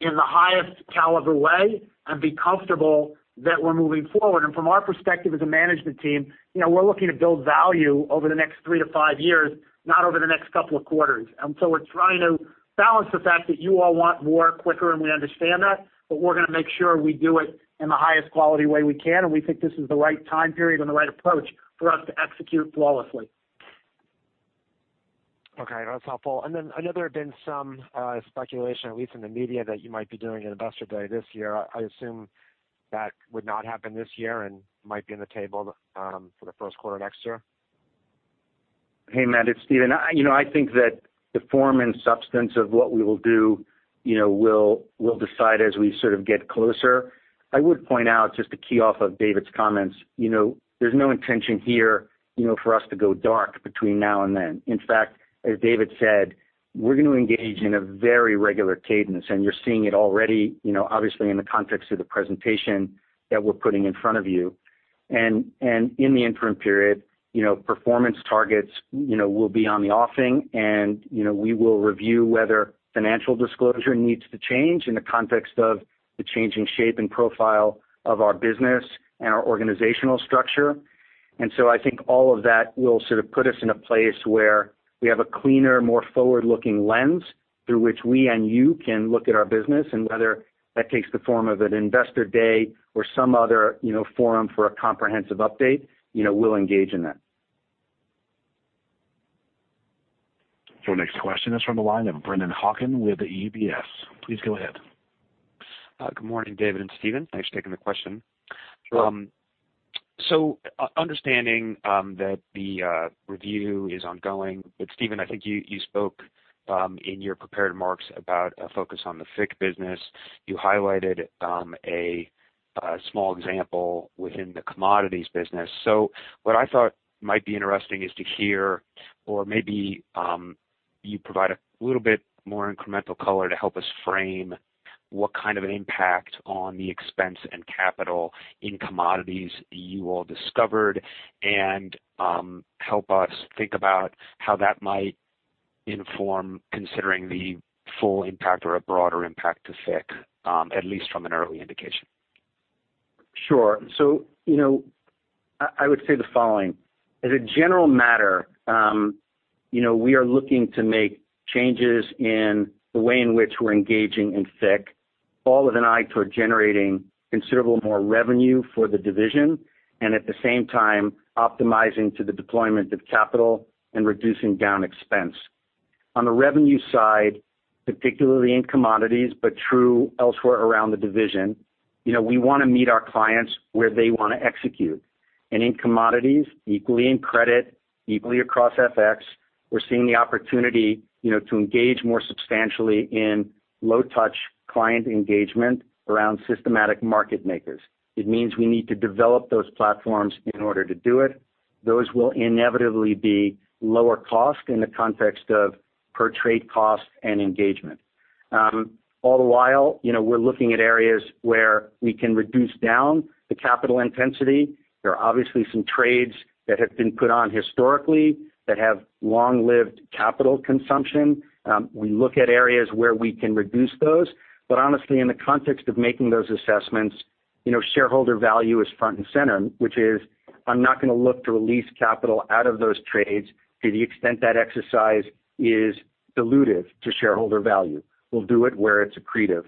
in the highest caliber way and be comfortable that we're moving forward. From our perspective as a management team, we're looking to build value over the next three to five years, not over the next couple of quarters. We're trying to balance the fact that you all want more quicker, and we understand that, but we're going to make sure we do it in the highest quality way we can, and we think this is the right time period and the right approach for us to execute flawlessly. Okay, that's helpful. I know there had been some speculation, at least in the media, that you might be doing an Investor Day this year. I assume that would not happen this year and might be on the table for the first quarter of next year. Hey, Matt, it's Stephen. I think that the form and substance of what we will do we'll decide as we sort of get closer. I would point out, just to key off of David's comments, there's no intention here for us to go dark between now and then. In fact, as David said, we're going to engage in a very regular cadence, and you're seeing it already, obviously in the context of the presentation that we're putting in front of you. In the interim period, performance targets will be on the offing and we will review whether financial disclosure needs to change in the context of the changing shape and profile of our business and our organizational structure. I think all of that will sort of put us in a place where we have a cleaner, more forward-looking lens through which we and you can look at our business, and whether that takes the form of an investor day or some other forum for a comprehensive update, we'll engage in that. Next question is from the line of Brennan Hawken with UBS. Please go ahead. Good morning, David and Stephen. Thanks for taking the question. Sure. Understanding that the review is ongoing, Stephen, I think you spoke in your prepared remarks about a focus on the FICC business. You highlighted a small example within the commodities business. What I thought might be interesting is to hear, or maybe you provide a little bit more incremental color to help us frame what kind of an impact on the expense and capital in commodities you all discovered, and help us think about how that might inform considering the full impact or a broader impact to FICC, at least from an early indication. Sure. I would say the following. As a general matter, we are looking to make changes in the way in which we're engaging in FICC, all with an eye toward generating considerable more revenue for the division, at the same time, optimizing to the deployment of capital and reducing down expense. On the revenue side, particularly in commodities, true elsewhere around the division, we want to meet our clients where they want to execute. In commodities, equally in credit, equally across FX, we're seeing the opportunity to engage more substantially in low-touch client engagement around systematic market makers. It means we need to develop those platforms in order to do it. Those will inevitably be lower cost in the context of per trade cost and engagement. All the while, we're looking at areas where we can reduce down the capital intensity. There are obviously some trades that have been put on historically that have long-lived capital consumption. We look at areas where we can reduce those. Honestly, in the context of making those assessments, shareholder value is front and center, which is I'm not going to look to release capital out of those trades to the extent that exercise is dilutive to shareholder value. We'll do it where it's accretive.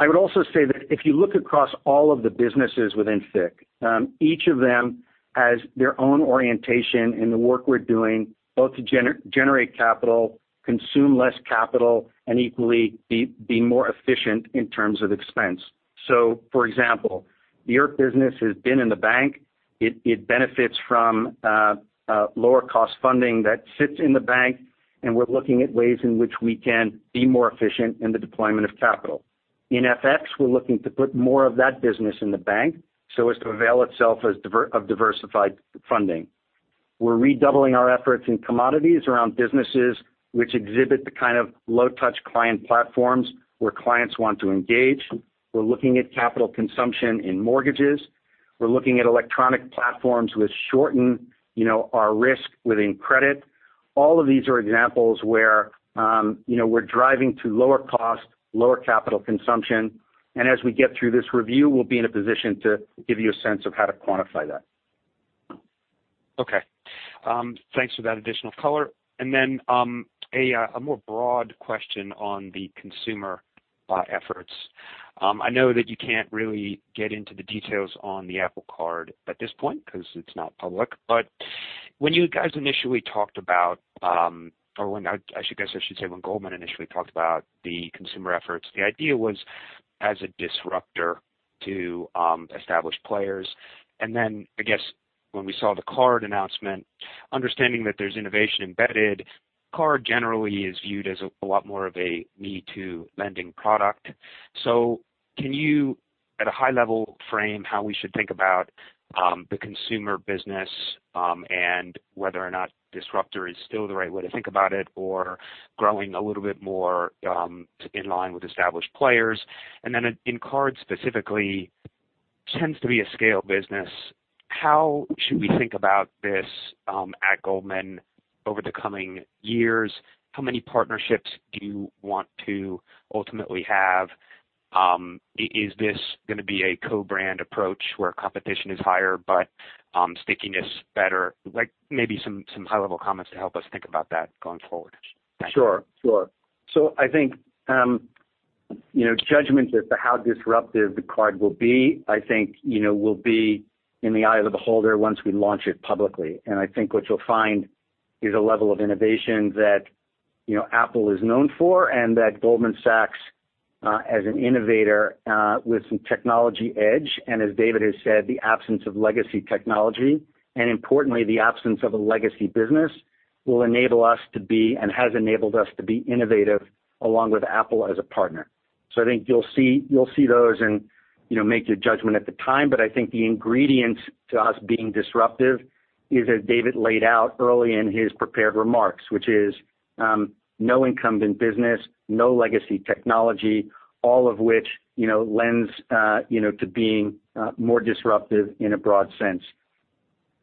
I would also say that if you look across all of the businesses within FICC, each of them has their own orientation in the work we're doing, both to generate capital, consume less capital, equally, be more efficient in terms of expense. For example, the Europe business has been in the bank. It benefits from lower-cost funding that sits in the bank, we're looking at ways in which we can be more efficient in the deployment of capital. In FX, we're looking to put more of that business in the bank so as to avail itself of diversified funding. We're redoubling our efforts in commodities around businesses which exhibit the kind of low-touch client platforms where clients want to engage. We're looking at capital consumption in mortgages. We're looking at electronic platforms which shorten our risk within credit. All of these are examples where we're driving to lower cost, lower capital consumption, as we get through this review, we'll be in a position to give you a sense of how to quantify that. Okay. Thanks for that additional color. A more broad question on the consumer efforts. I know that you can't really get into the details on the Apple Card at this point because it's not public, but when you guys initially talked about, or I guess I should say when Goldman initially talked about the consumer efforts, the idea was as a disruptor to established players. When we saw the card announcement, understanding that there's innovation embedded, card generally is viewed as a lot more of a me-too lending product. Can you at a high level frame how we should think about the consumer business, and whether or not disruptor is still the right way to think about it, or growing a little bit more in line with established players? In cards specifically, tends to be a scale business. How should we think about this at Goldman over the coming years? How many partnerships do you want to ultimately have? Is this going to be a co-brand approach where competition is higher but stickiness better? Like maybe some high-level comments to help us think about that going forward. Thank you. Sure. I think judgment as to how disruptive the card will be will be in the eye of the beholder once we launch it publicly. I think what you'll find is a level of innovation that Apple is known for and that Goldman Sachs, as an innovator with some technology edge, as David has said, the absence of legacy technology, importantly, the absence of a legacy business, will enable us to be and has enabled us to be innovative along with Apple as a partner. I think you'll see those and make your judgment at the time. I think the ingredients to us being disruptive is as David laid out early in his prepared remarks, which is no incumbent business, no legacy technology, all of which lends to being more disruptive in a broad sense.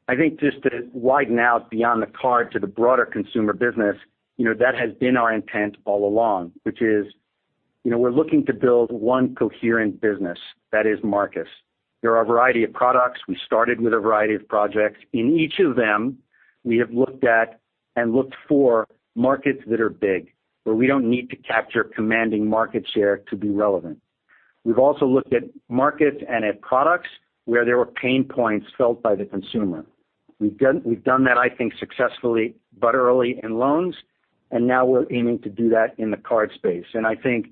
I think just to widen out beyond the card to the broader consumer business, that has been our intent all along, which is we're looking to build one coherent business that is Marcus. There are a variety of products. We started with a variety of projects. In each of them, we have looked at and looked for markets that are big, where we don't need to capture commanding market share to be relevant. We've also looked at markets and at products where there were pain points felt by the consumer. We've done that, I think, successfully, but early in loans, and now we're aiming to do that in the card space. I think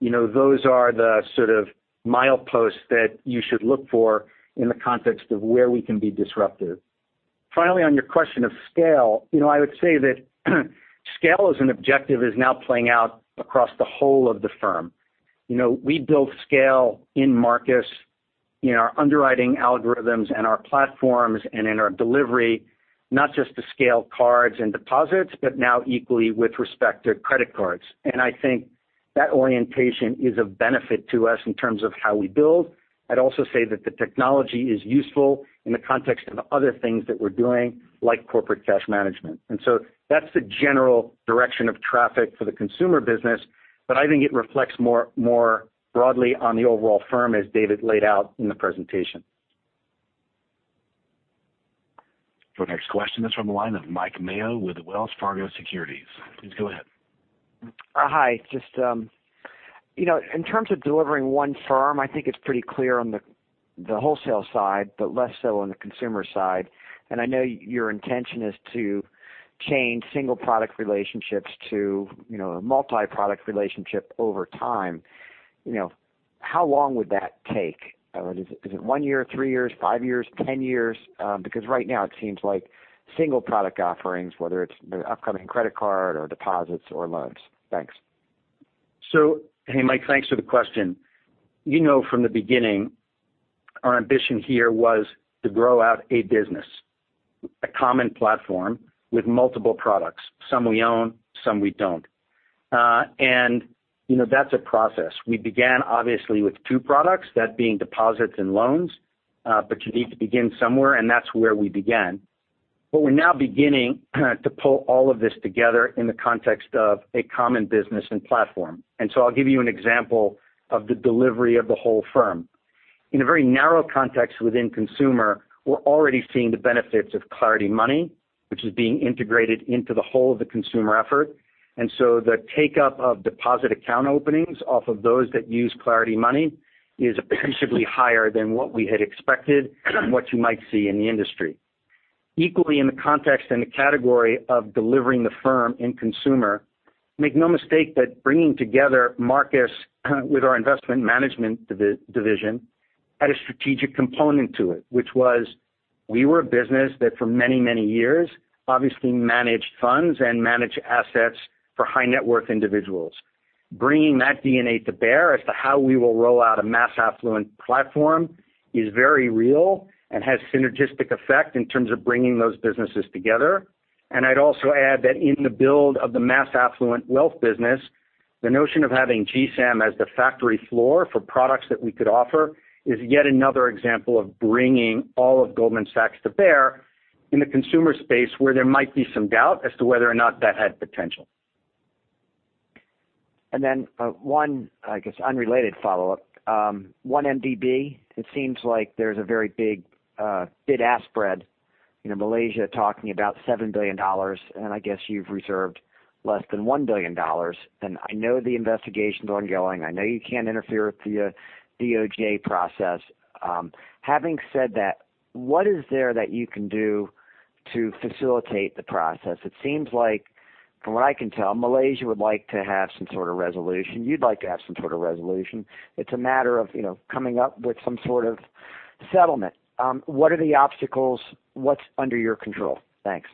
those are the sort of mileposts that you should look for in the context of where we can be disruptive. Finally, on your question of scale, I would say that scale as an objective is now playing out across the whole of the firm. We built scale in Marcus in our underwriting algorithms and our platforms and in our delivery, not just to scale cards and deposits, but now equally with respect to credit cards. I think that orientation is of benefit to us in terms of how we build. I'd also say that the technology is useful in the context of other things that we're doing, like Corporate Cash Management. That's the general direction of traffic for the consumer business. I think it reflects more broadly on the overall firm as David laid out in the presentation. Your next question is from the line of Mike Mayo with Wells Fargo Securities. Please go ahead. Hi, just in terms of delivering one firm, I think it's pretty clear on the wholesale side, but less so on the consumer side. I know your intention is to change single product relationships to a multi-product relationship over time. How long would that take? Is it one year, three years, five years, 10 years? Right now it seems like single product offerings, whether it's the upcoming credit card or deposits or loans. Thanks. Hey, Mike, thanks for the question. You know from the beginning, our ambition here was to grow out a business, a common platform with multiple products. Some we own, some we don't. That's a process. We began obviously with two products, that being deposits and loans. You need to begin somewhere, and that's where we began. We're now beginning to pull all of this together in the context of a common business and platform. I'll give you an example of the delivery of the whole firm. In a very narrow context within consumer, we're already seeing the benefits of Clarity Money, which is being integrated into the whole of the consumer effort. The take-up of deposit account openings off of those that use Clarity Money is appreciably higher than what we had expected and what you might see in the industry. Equally in the context and the category of delivering the firm in consumer, make no mistake that bringing together Marcus with our investment management division had a strategic component to it, which was we were a business that for many, many years obviously managed funds and managed assets for high net worth individuals. Bringing that DNA to bear as to how we will roll out a mass affluent platform is very real and has synergistic effect in terms of bringing those businesses together. I'd also add that in the build of the mass affluent wealth business, the notion of having GSAM as the factory floor for products that we could offer is yet another example of bringing all of Goldman Sachs to bear in the consumer space where there might be some doubt as to whether or not that had potential. Then one, I guess, unrelated follow-up. 1MDB, it seems like there's a very big bid-ask spread, Malaysia talking about $7 billion, and I guess you've reserved less than $1 billion. I know the investigation's ongoing. I know you can't interfere with the DOJ process. Having said that, what is there that you can do to facilitate the process? It seems like from what I can tell, Malaysia would like to have some sort of resolution. You'd like to have some sort of resolution. It's a matter of coming up with some sort of settlement. What are the obstacles? What's under your control? Thanks.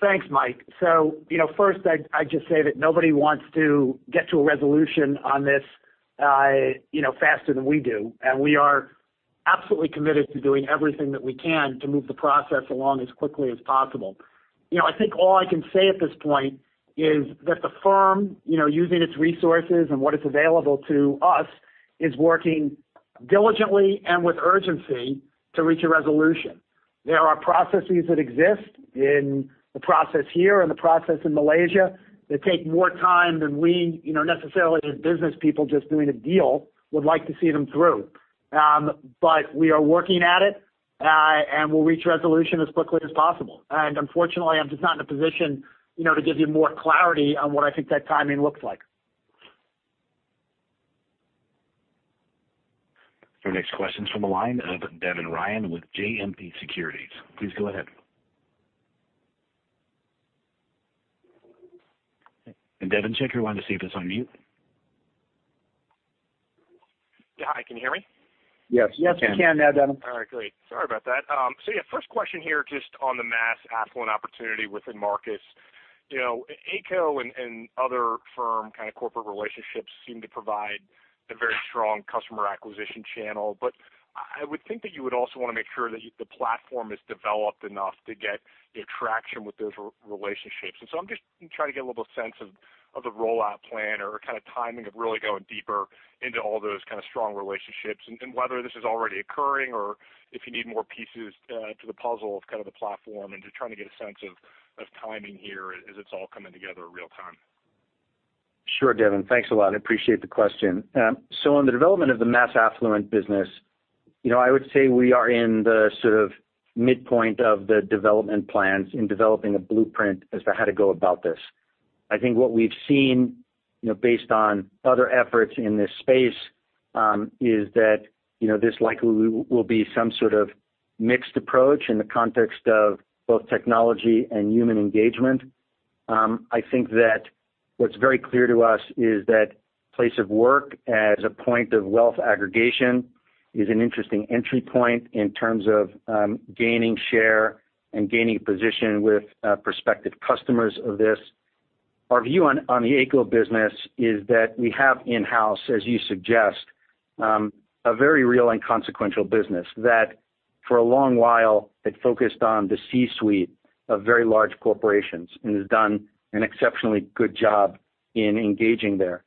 Thanks, Mike. First I'd just say that nobody wants to get to a resolution on this faster than we do. We are absolutely committed to doing everything that we can to move the process along as quickly as possible. I think all I can say at this point is that the firm using its resources and what is available to us is working diligently and with urgency to reach a resolution. There are processes that exist in the process here and the process in Malaysia that take more time than we necessarily as business people just doing a deal would like to see them through. We are working at it, and we'll reach resolution as quickly as possible. Unfortunately, I'm just not in a position to give you more clarity on what I think that timing looks like. Your next question's from the line of Devin Ryan with JMP Securities. Please go ahead. Devin, check your line to see if it's on mute. Yeah. Hi, can you hear me? Yes. Yes, we can now, Devin. All right, great. Sorry about that. Yeah, first question here, just on the mass affluent opportunity within Marcus, Ayco and other firm kind of corporate relationships seem to provide a very strong customer acquisition channel. I would think that you would also want to make sure that the platform is developed enough to get the traction with those relationships. I'm just trying to get a little sense of the rollout plan or kind of timing of really going deeper into all those kind of strong relationships, and whether this is already occurring or if you need more pieces to the puzzle of kind of the platform, and just trying to get a sense of timing here as it's all coming together real time. Sure, Devin. Thanks a lot. I appreciate the question. On the development of the mass affluent business, I would say we are in the sort of midpoint of the development plans in developing a blueprint as to how to go about this. I think what we've seen based on other efforts in this space, is that this likely will be some sort of mixed approach in the context of both technology and human engagement. I think that what's very clear to us is that place of work as a point of wealth aggregation is an interesting entry point in terms of gaining share and gaining position with prospective customers of this. Our view on the Ayco business is that we have in-house, as you suggest, a very real and consequential business that for a long while had focused on the C-suite of very large corporations and has done an exceptionally good job in engaging there.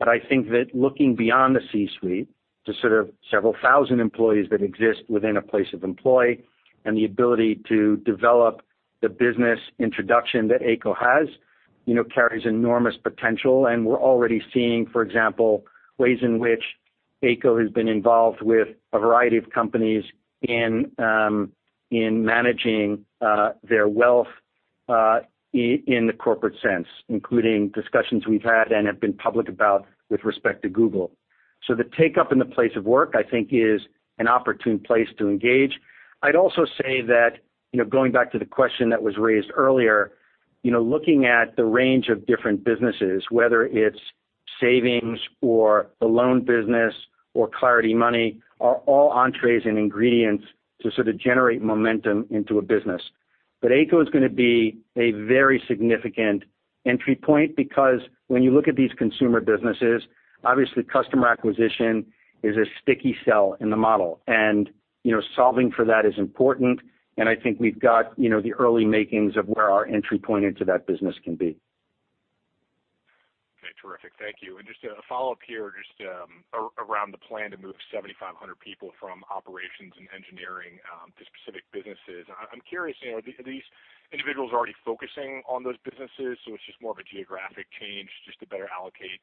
I think that looking beyond the C-suite to sort of several thousand employees that exist within a place of employ, and the ability to develop the business introduction that Ayco has carries enormous potential. We're already seeing, for example, ways in which Ayco has been involved with a variety of companies in managing their wealth in the corporate sense, including discussions we've had and have been public about with respect to Google. The take-up in the place of work, I think is an opportune place to engage. I'd also say that going back to the question that was raised earlier, looking at the range of different businesses, whether it's savings or the loan business or Clarity Money, are all entrees and ingredients to sort of generate momentum into a business. Ayco is going to be a very significant entry point because when you look at these consumer businesses, obviously customer acquisition is a sticky sell in the model. Solving for that is important, and I think we've got the early makings of where our entry point into that business can be. Okay, terrific. Thank you. Just a follow-up here just around the plan to move 7,500 people from operations and engineering to specific businesses. I'm curious, are these individuals already focusing on those businesses so it's just more of a geographic change just to better allocate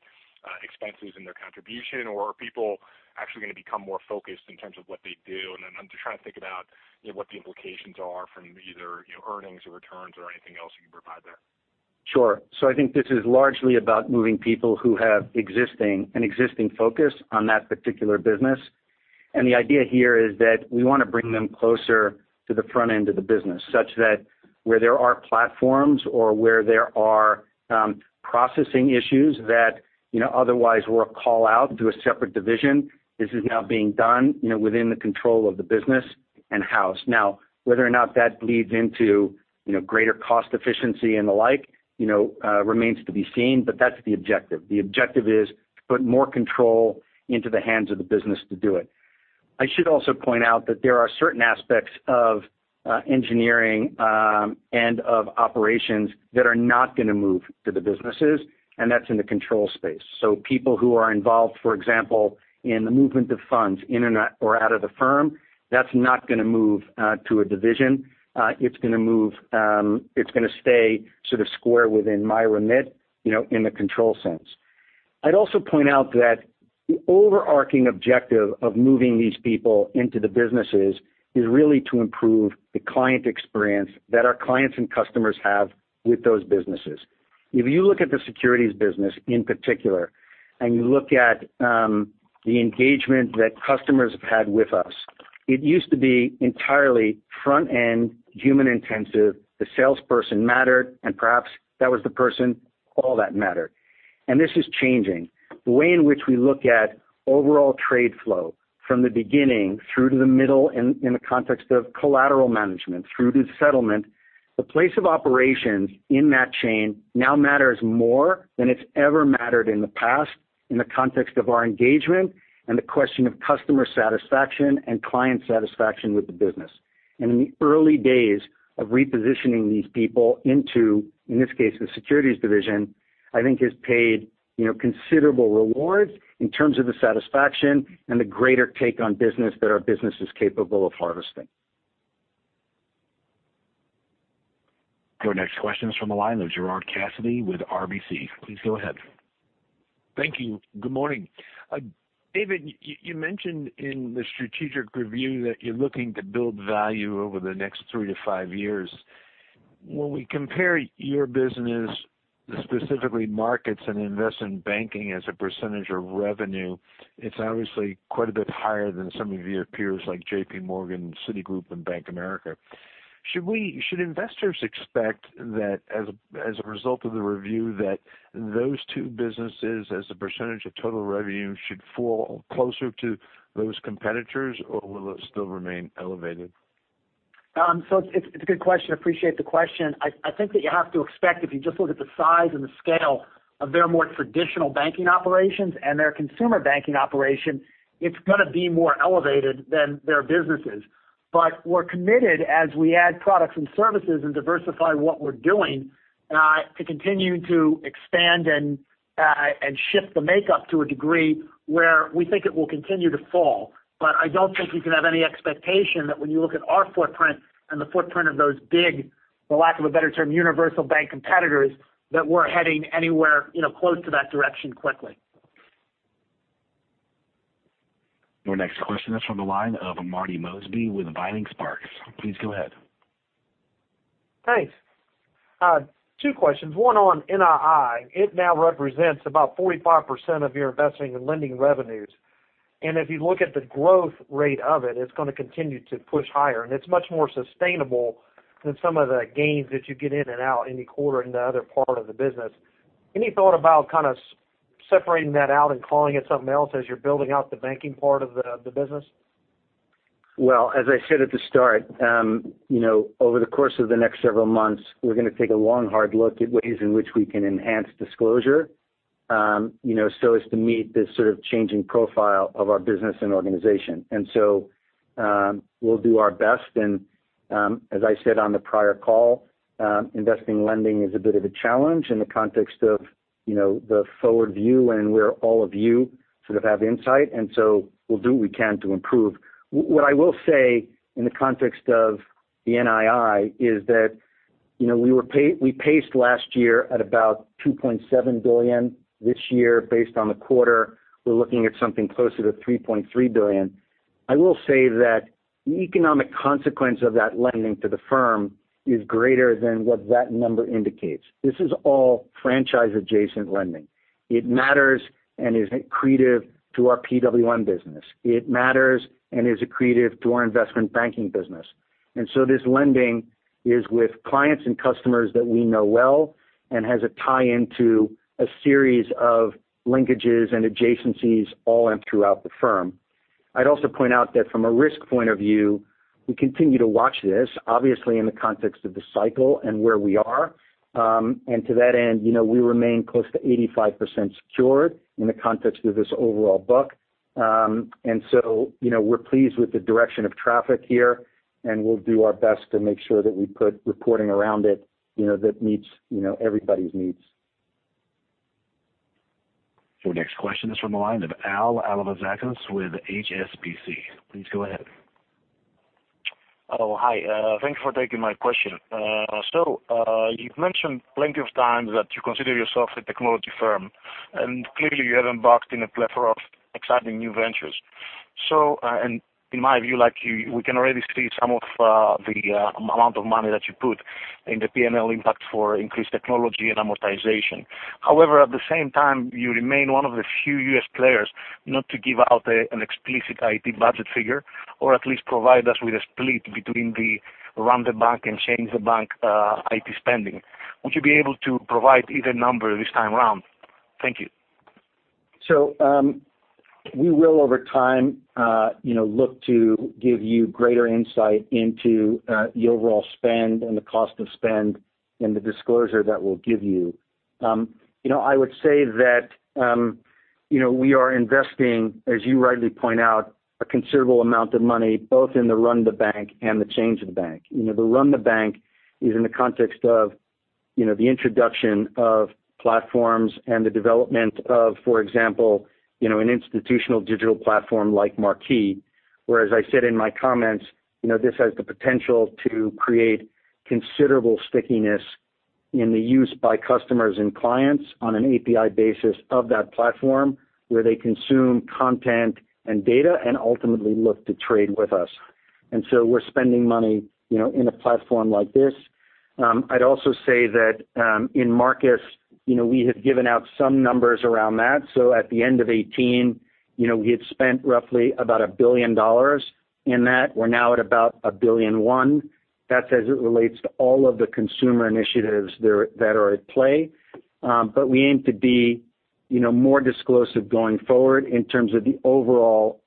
expenses and their contribution? Are people actually going to become more focused in terms of what they do? I'm just trying to think about what the implications are from either earnings or returns or anything else you can provide there. Sure. I think this is largely about moving people who have an existing focus on that particular business. The idea here is that we want to bring them closer to the front end of the business, such that where there are platforms or where there are processing issues that otherwise were a call-out to a separate division, this is now being done within the control of the business in-house. Whether or not that bleeds into greater cost efficiency and the like remains to be seen, that's the objective. The objective is to put more control into the hands of the business to do it. I should also point out that there are certain aspects of engineering and of operations that are not going to move to the businesses, and that's in the control space. People who are involved, for example, in the movement of funds in or out of the firm, that's not going to move to a division. It's going to stay sort of square within my remit in the control sense. I'd also point out that the overarching objective of moving these people into the businesses is really to improve the client experience that our clients and customers have with those businesses. If you look at the securities business in particular, and you look at the engagement that customers have had with us, it used to be entirely front end, human intensive. The salesperson mattered, and perhaps that was the person all that mattered. This is changing. The way in which we look at overall trade flow from the beginning through to the middle in the context of collateral management through to settlement, the place of operations in that chain now matters more than it's ever mattered in the past in the context of our engagement and the question of customer satisfaction and client satisfaction with the business. In the early days of repositioning these people into, in this case, the securities division, I think has paid considerable rewards in terms of the satisfaction and the greater take on business that our business is capable of harvesting. Our next question is from the line of Gerard Cassidy with RBC. Please go ahead. Thank you. Good morning. David, you mentioned in the strategic review that you're looking to build value over the next 3-5 years. When we compare your business to specifically markets and investment banking as a percentage of revenue, it's obviously quite a bit higher than some of your peers like JPMorgan, Citigroup and Bank of America. Should investors expect that as a result of the review that those two businesses as a percentage of total revenue should fall closer to those competitors, or will it still remain elevated? It's a good question. Appreciate the question. I think that you have to expect, if you just look at the size and the scale of their more traditional banking operations and their consumer banking operation, it's going to be more elevated than their businesses. We're committed as we add products and services and diversify what we're doing, to continue to expand and shift the makeup to a degree where we think it will continue to fall. I don't think you can have any expectation that when you look at our footprint and the footprint of those big, for lack of a better term, universal bank competitors, that we're heading anywhere close to that direction quickly. Your next question is from the line of Marty Mosby with Vining Sparks. Please go ahead. Thanks. Two questions. One on NII. It now represents about 45% of your investing and lending revenues. If you look at the growth rate of it's going to continue to push higher, and it's much more sustainable than some of the gains that you get in and out any quarter in the other part of the business. Any thought about kind of separating that out and calling it something else as you're building out the banking part of the business? Well, as I said at the start, over the course of the next several months, we're going to take a long, hard look at ways in which we can enhance disclosure so as to meet this sort of changing profile of our business and organization. We'll do our best. As I said on the prior call, investing lending is a bit of a challenge in the context of the forward view and where all of you sort of have insight, we'll do what we can to improve. What I will say in the context of the NII is that we paced last year at about $2.7 billion. This year, based on the quarter, we're looking at something closer to $3.3 billion. I will say that the economic consequence of that lending to the firm is greater than what that number indicates. This is all franchise-adjacent lending. It matters and is accretive to our PWM business. It matters and is accretive to our investment banking business. This lending is with clients and customers that we know well and has a tie-in to a series of linkages and adjacencies all throughout the firm. I'd also point out that from a risk point of view, we continue to watch this, obviously in the context of the cycle and where we are. To that end, we remain close to 85% secured in the context of this overall book. We're pleased with the direction of traffic here, and we'll do our best to make sure that we put reporting around it that meets everybody's needs. Your next question is from the line of Al Alevizakos with HSBC. Please go ahead. Hi. Thank you for taking my question. You've mentioned plenty of times that you consider yourself a technology firm, and clearly you have embarked in a plethora of exciting new ventures. In my view, like you, we can already see some of the amount of money that you put in the P&L impact for increased technology and amortization. However, at the same time, you remain one of the few U.S. players not to give out an explicit IT budget figure, or at least provide us with a split between the run the bank and change the bank IT spending. Would you be able to provide either number this time around? Thank you. We will, over time, look to give you greater insight into the overall spend and the cost of spend and the disclosure that we'll give you. I would say that we are investing, as you rightly point out, a considerable amount of money both in the run the bank and the change the bank. The run the bank is in the context of the introduction of platforms and the development of, for example, an institutional digital platform like Marquee. Whereas I said in my comments, this has the potential to create considerable stickiness in the use by customers and clients on an API basis of that platform where they consume content and data and ultimately look to trade with us. We're spending money in a platform like this. I'd also say that in Marcus, we have given out some numbers around that. At the end of 2018, we had spent roughly about $1 billion in that. We are now at about $1.1 billion. That is as it relates to all of the consumer initiatives that are at play. We aim to be more disclosive going forward in terms of the overall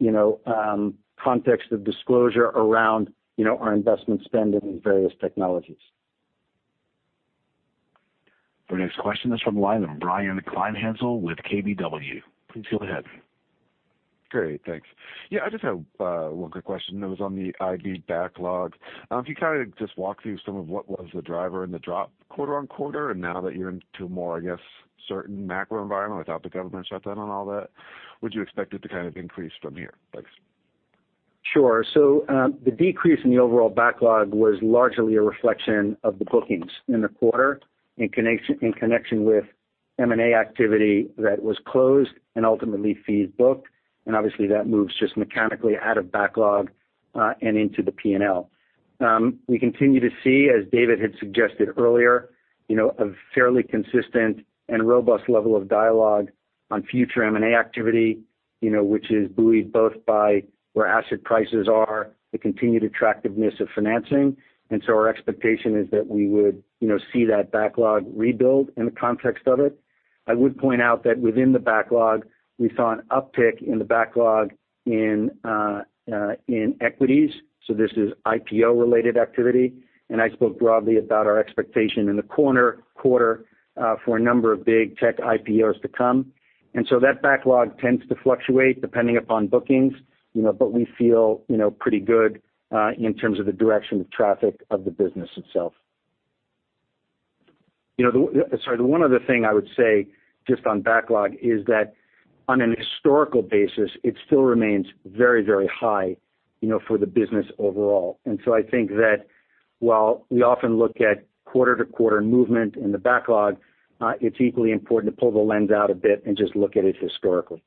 context of disclosure around our investment spend in various technologies. Our next question is from the line of Brian Kleinhanzl with KBW. Please go ahead. Great. Thanks. I just have one quick question. It was on the IB backlog. If you just walk through some of what was the driver in the drop quarter-on-quarter, now that you are into a more, I guess, certain macro environment without the government shutdown and all that, would you expect it to increase from here? Thanks. Sure. The decrease in the overall backlog was largely a reflection of the bookings in the quarter in connection with M&A activity that was closed and ultimately fees booked, and obviously that moves just mechanically out of backlog, and into the P&L. We continue to see, as David had suggested earlier, a fairly consistent and robust level of dialogue on future M&A activity which is buoyed both by where asset prices are, the continued attractiveness of financing. Our expectation is that we would see that backlog rebuild in the context of it. I would point out that within the backlog, we saw an uptick in the backlog in equities. This is IPO-related activity, I spoke broadly about our expectation in the quarter for a number of big tech IPOs to come. That backlog tends to fluctuate depending upon bookings, but we feel pretty good in terms of the direction of traffic of the business itself. Sorry, the one other thing I would say just on backlog is that on an historical basis, it still remains very, very high for the business overall. I think that while we often look at quarter-to-quarter movement in the backlog, it's equally important to pull the lens out a bit and just look at it historically.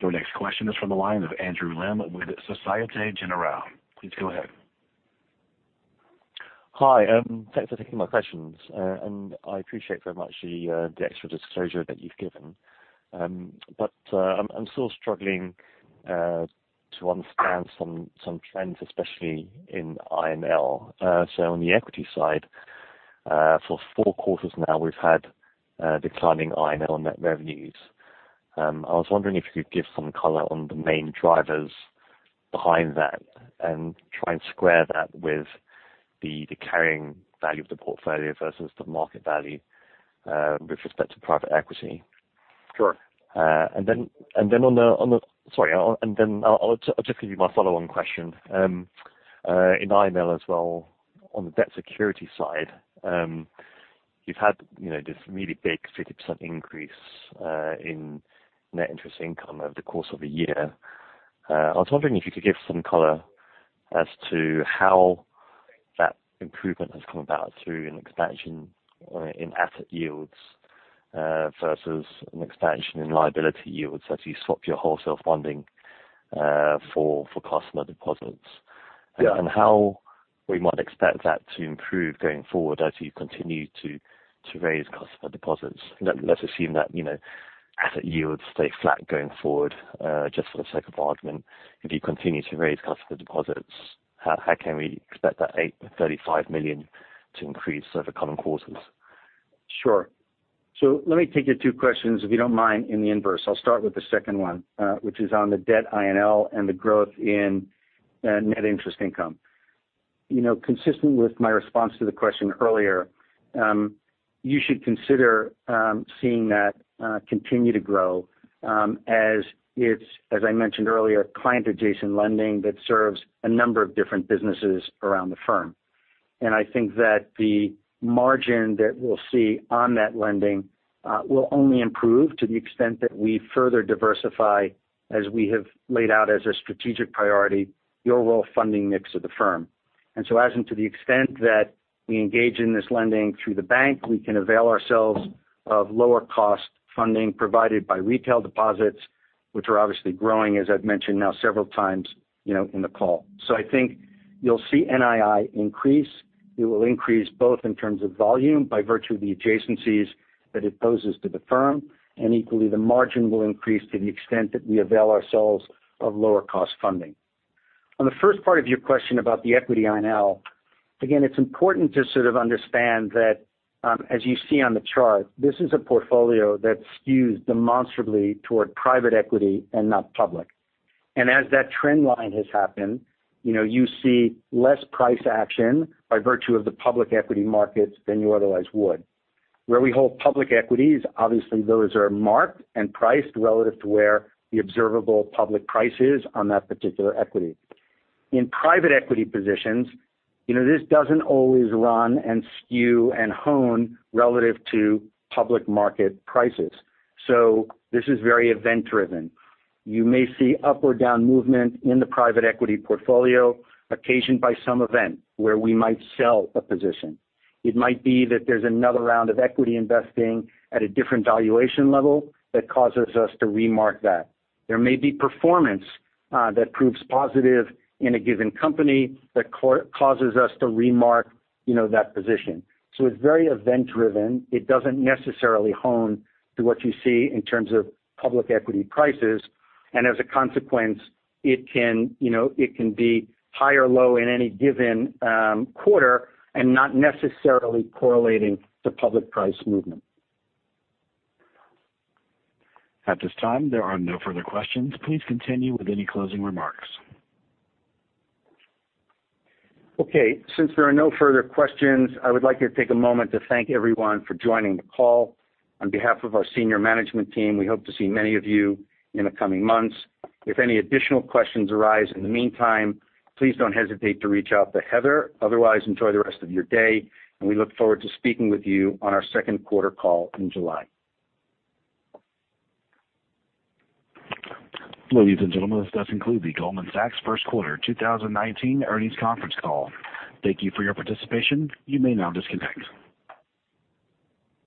Your next question is from the line of Andrew Lim with Société Générale. Please go ahead. Hi, thanks for taking my questions. I appreciate very much the extra disclosure that you've given. I'm still struggling to understand some trends, especially in INL. On the equity side, for 4 quarters now we've had declining INL net revenues. I was wondering if you could give some color on the main drivers behind that and try and square that with the carrying value of the portfolio versus the market value with respect to private equity. Sure. I'll just give you my follow-on question. In INL as well, on the debt security side, you've had this really big 50% increase in net interest income over the course of a year. I was wondering if you could give some color as to how that improvement has come about through an expansion in asset yields versus an expansion in liability yields as you swap your wholesale funding for customer deposits. Yeah. How we might expect that to improve going forward as you continue to raise customer deposits. Let's assume that asset yields stay flat going forward, just for the sake of argument. If you continue to raise customer deposits, how can we expect that $835 million to increase over coming quarters? Sure. Let me take your two questions, if you don't mind, in the inverse. I'll start with the second one, which is on the debt INL and the growth in net interest income. Consistent with my response to the question earlier, you should consider seeing that continue to grow as it's, as I mentioned earlier, client-adjacent lending that serves a number of different businesses around the firm. I think that the margin that we'll see on that lending will only improve to the extent that we further diversify as we have laid out as a strategic priority, overall funding mix of the firm. As to the extent that we engage in this lending through the bank, we can avail ourselves of lower cost funding provided by retail deposits, which are obviously growing, as I've mentioned now several times in the call. I think you'll see NII increase. It will increase both in terms of volume by virtue of the adjacencies that it poses to the firm, and equally the margin will increase to the extent that we avail ourselves of lower cost funding. On the first part of your question about the equity INL, again, it's important to sort of understand that as you see on the chart, this is a portfolio that skews demonstrably toward private equity and not public. As that trend line has happened, you see less price action by virtue of the public equity markets than you otherwise would. Where we hold public equities, obviously those are marked and priced relative to where the observable public price is on that particular equity. In private equity positions, this doesn't always run and skew and hone relative to public market prices. This is very event-driven. You may see up or down movement in the private equity portfolio occasioned by some event where we might sell a position. It might be that there's another round of equity investing at a different valuation level that causes us to remark that. There may be performance that proves positive in a given company that causes us to remark that position. It's very event-driven. It doesn't necessarily hone to what you see in terms of public equity prices. As a consequence, it can be high or low in any given quarter and not necessarily correlating to public price movement. At this time, there are no further questions. Please continue with any closing remarks. Okay. Since there are no further questions, I would like to take a moment to thank everyone for joining the call. On behalf of our senior management team, we hope to see many of you in the coming months. If any additional questions arise in the meantime, please don't hesitate to reach out to Heather. Otherwise, enjoy the rest of your day, and we look forward to speaking with you on our second quarter call in July. Ladies and gentlemen, this does conclude the Goldman Sachs first quarter 2019 earnings conference call. Thank you for your participation. You may now disconnect.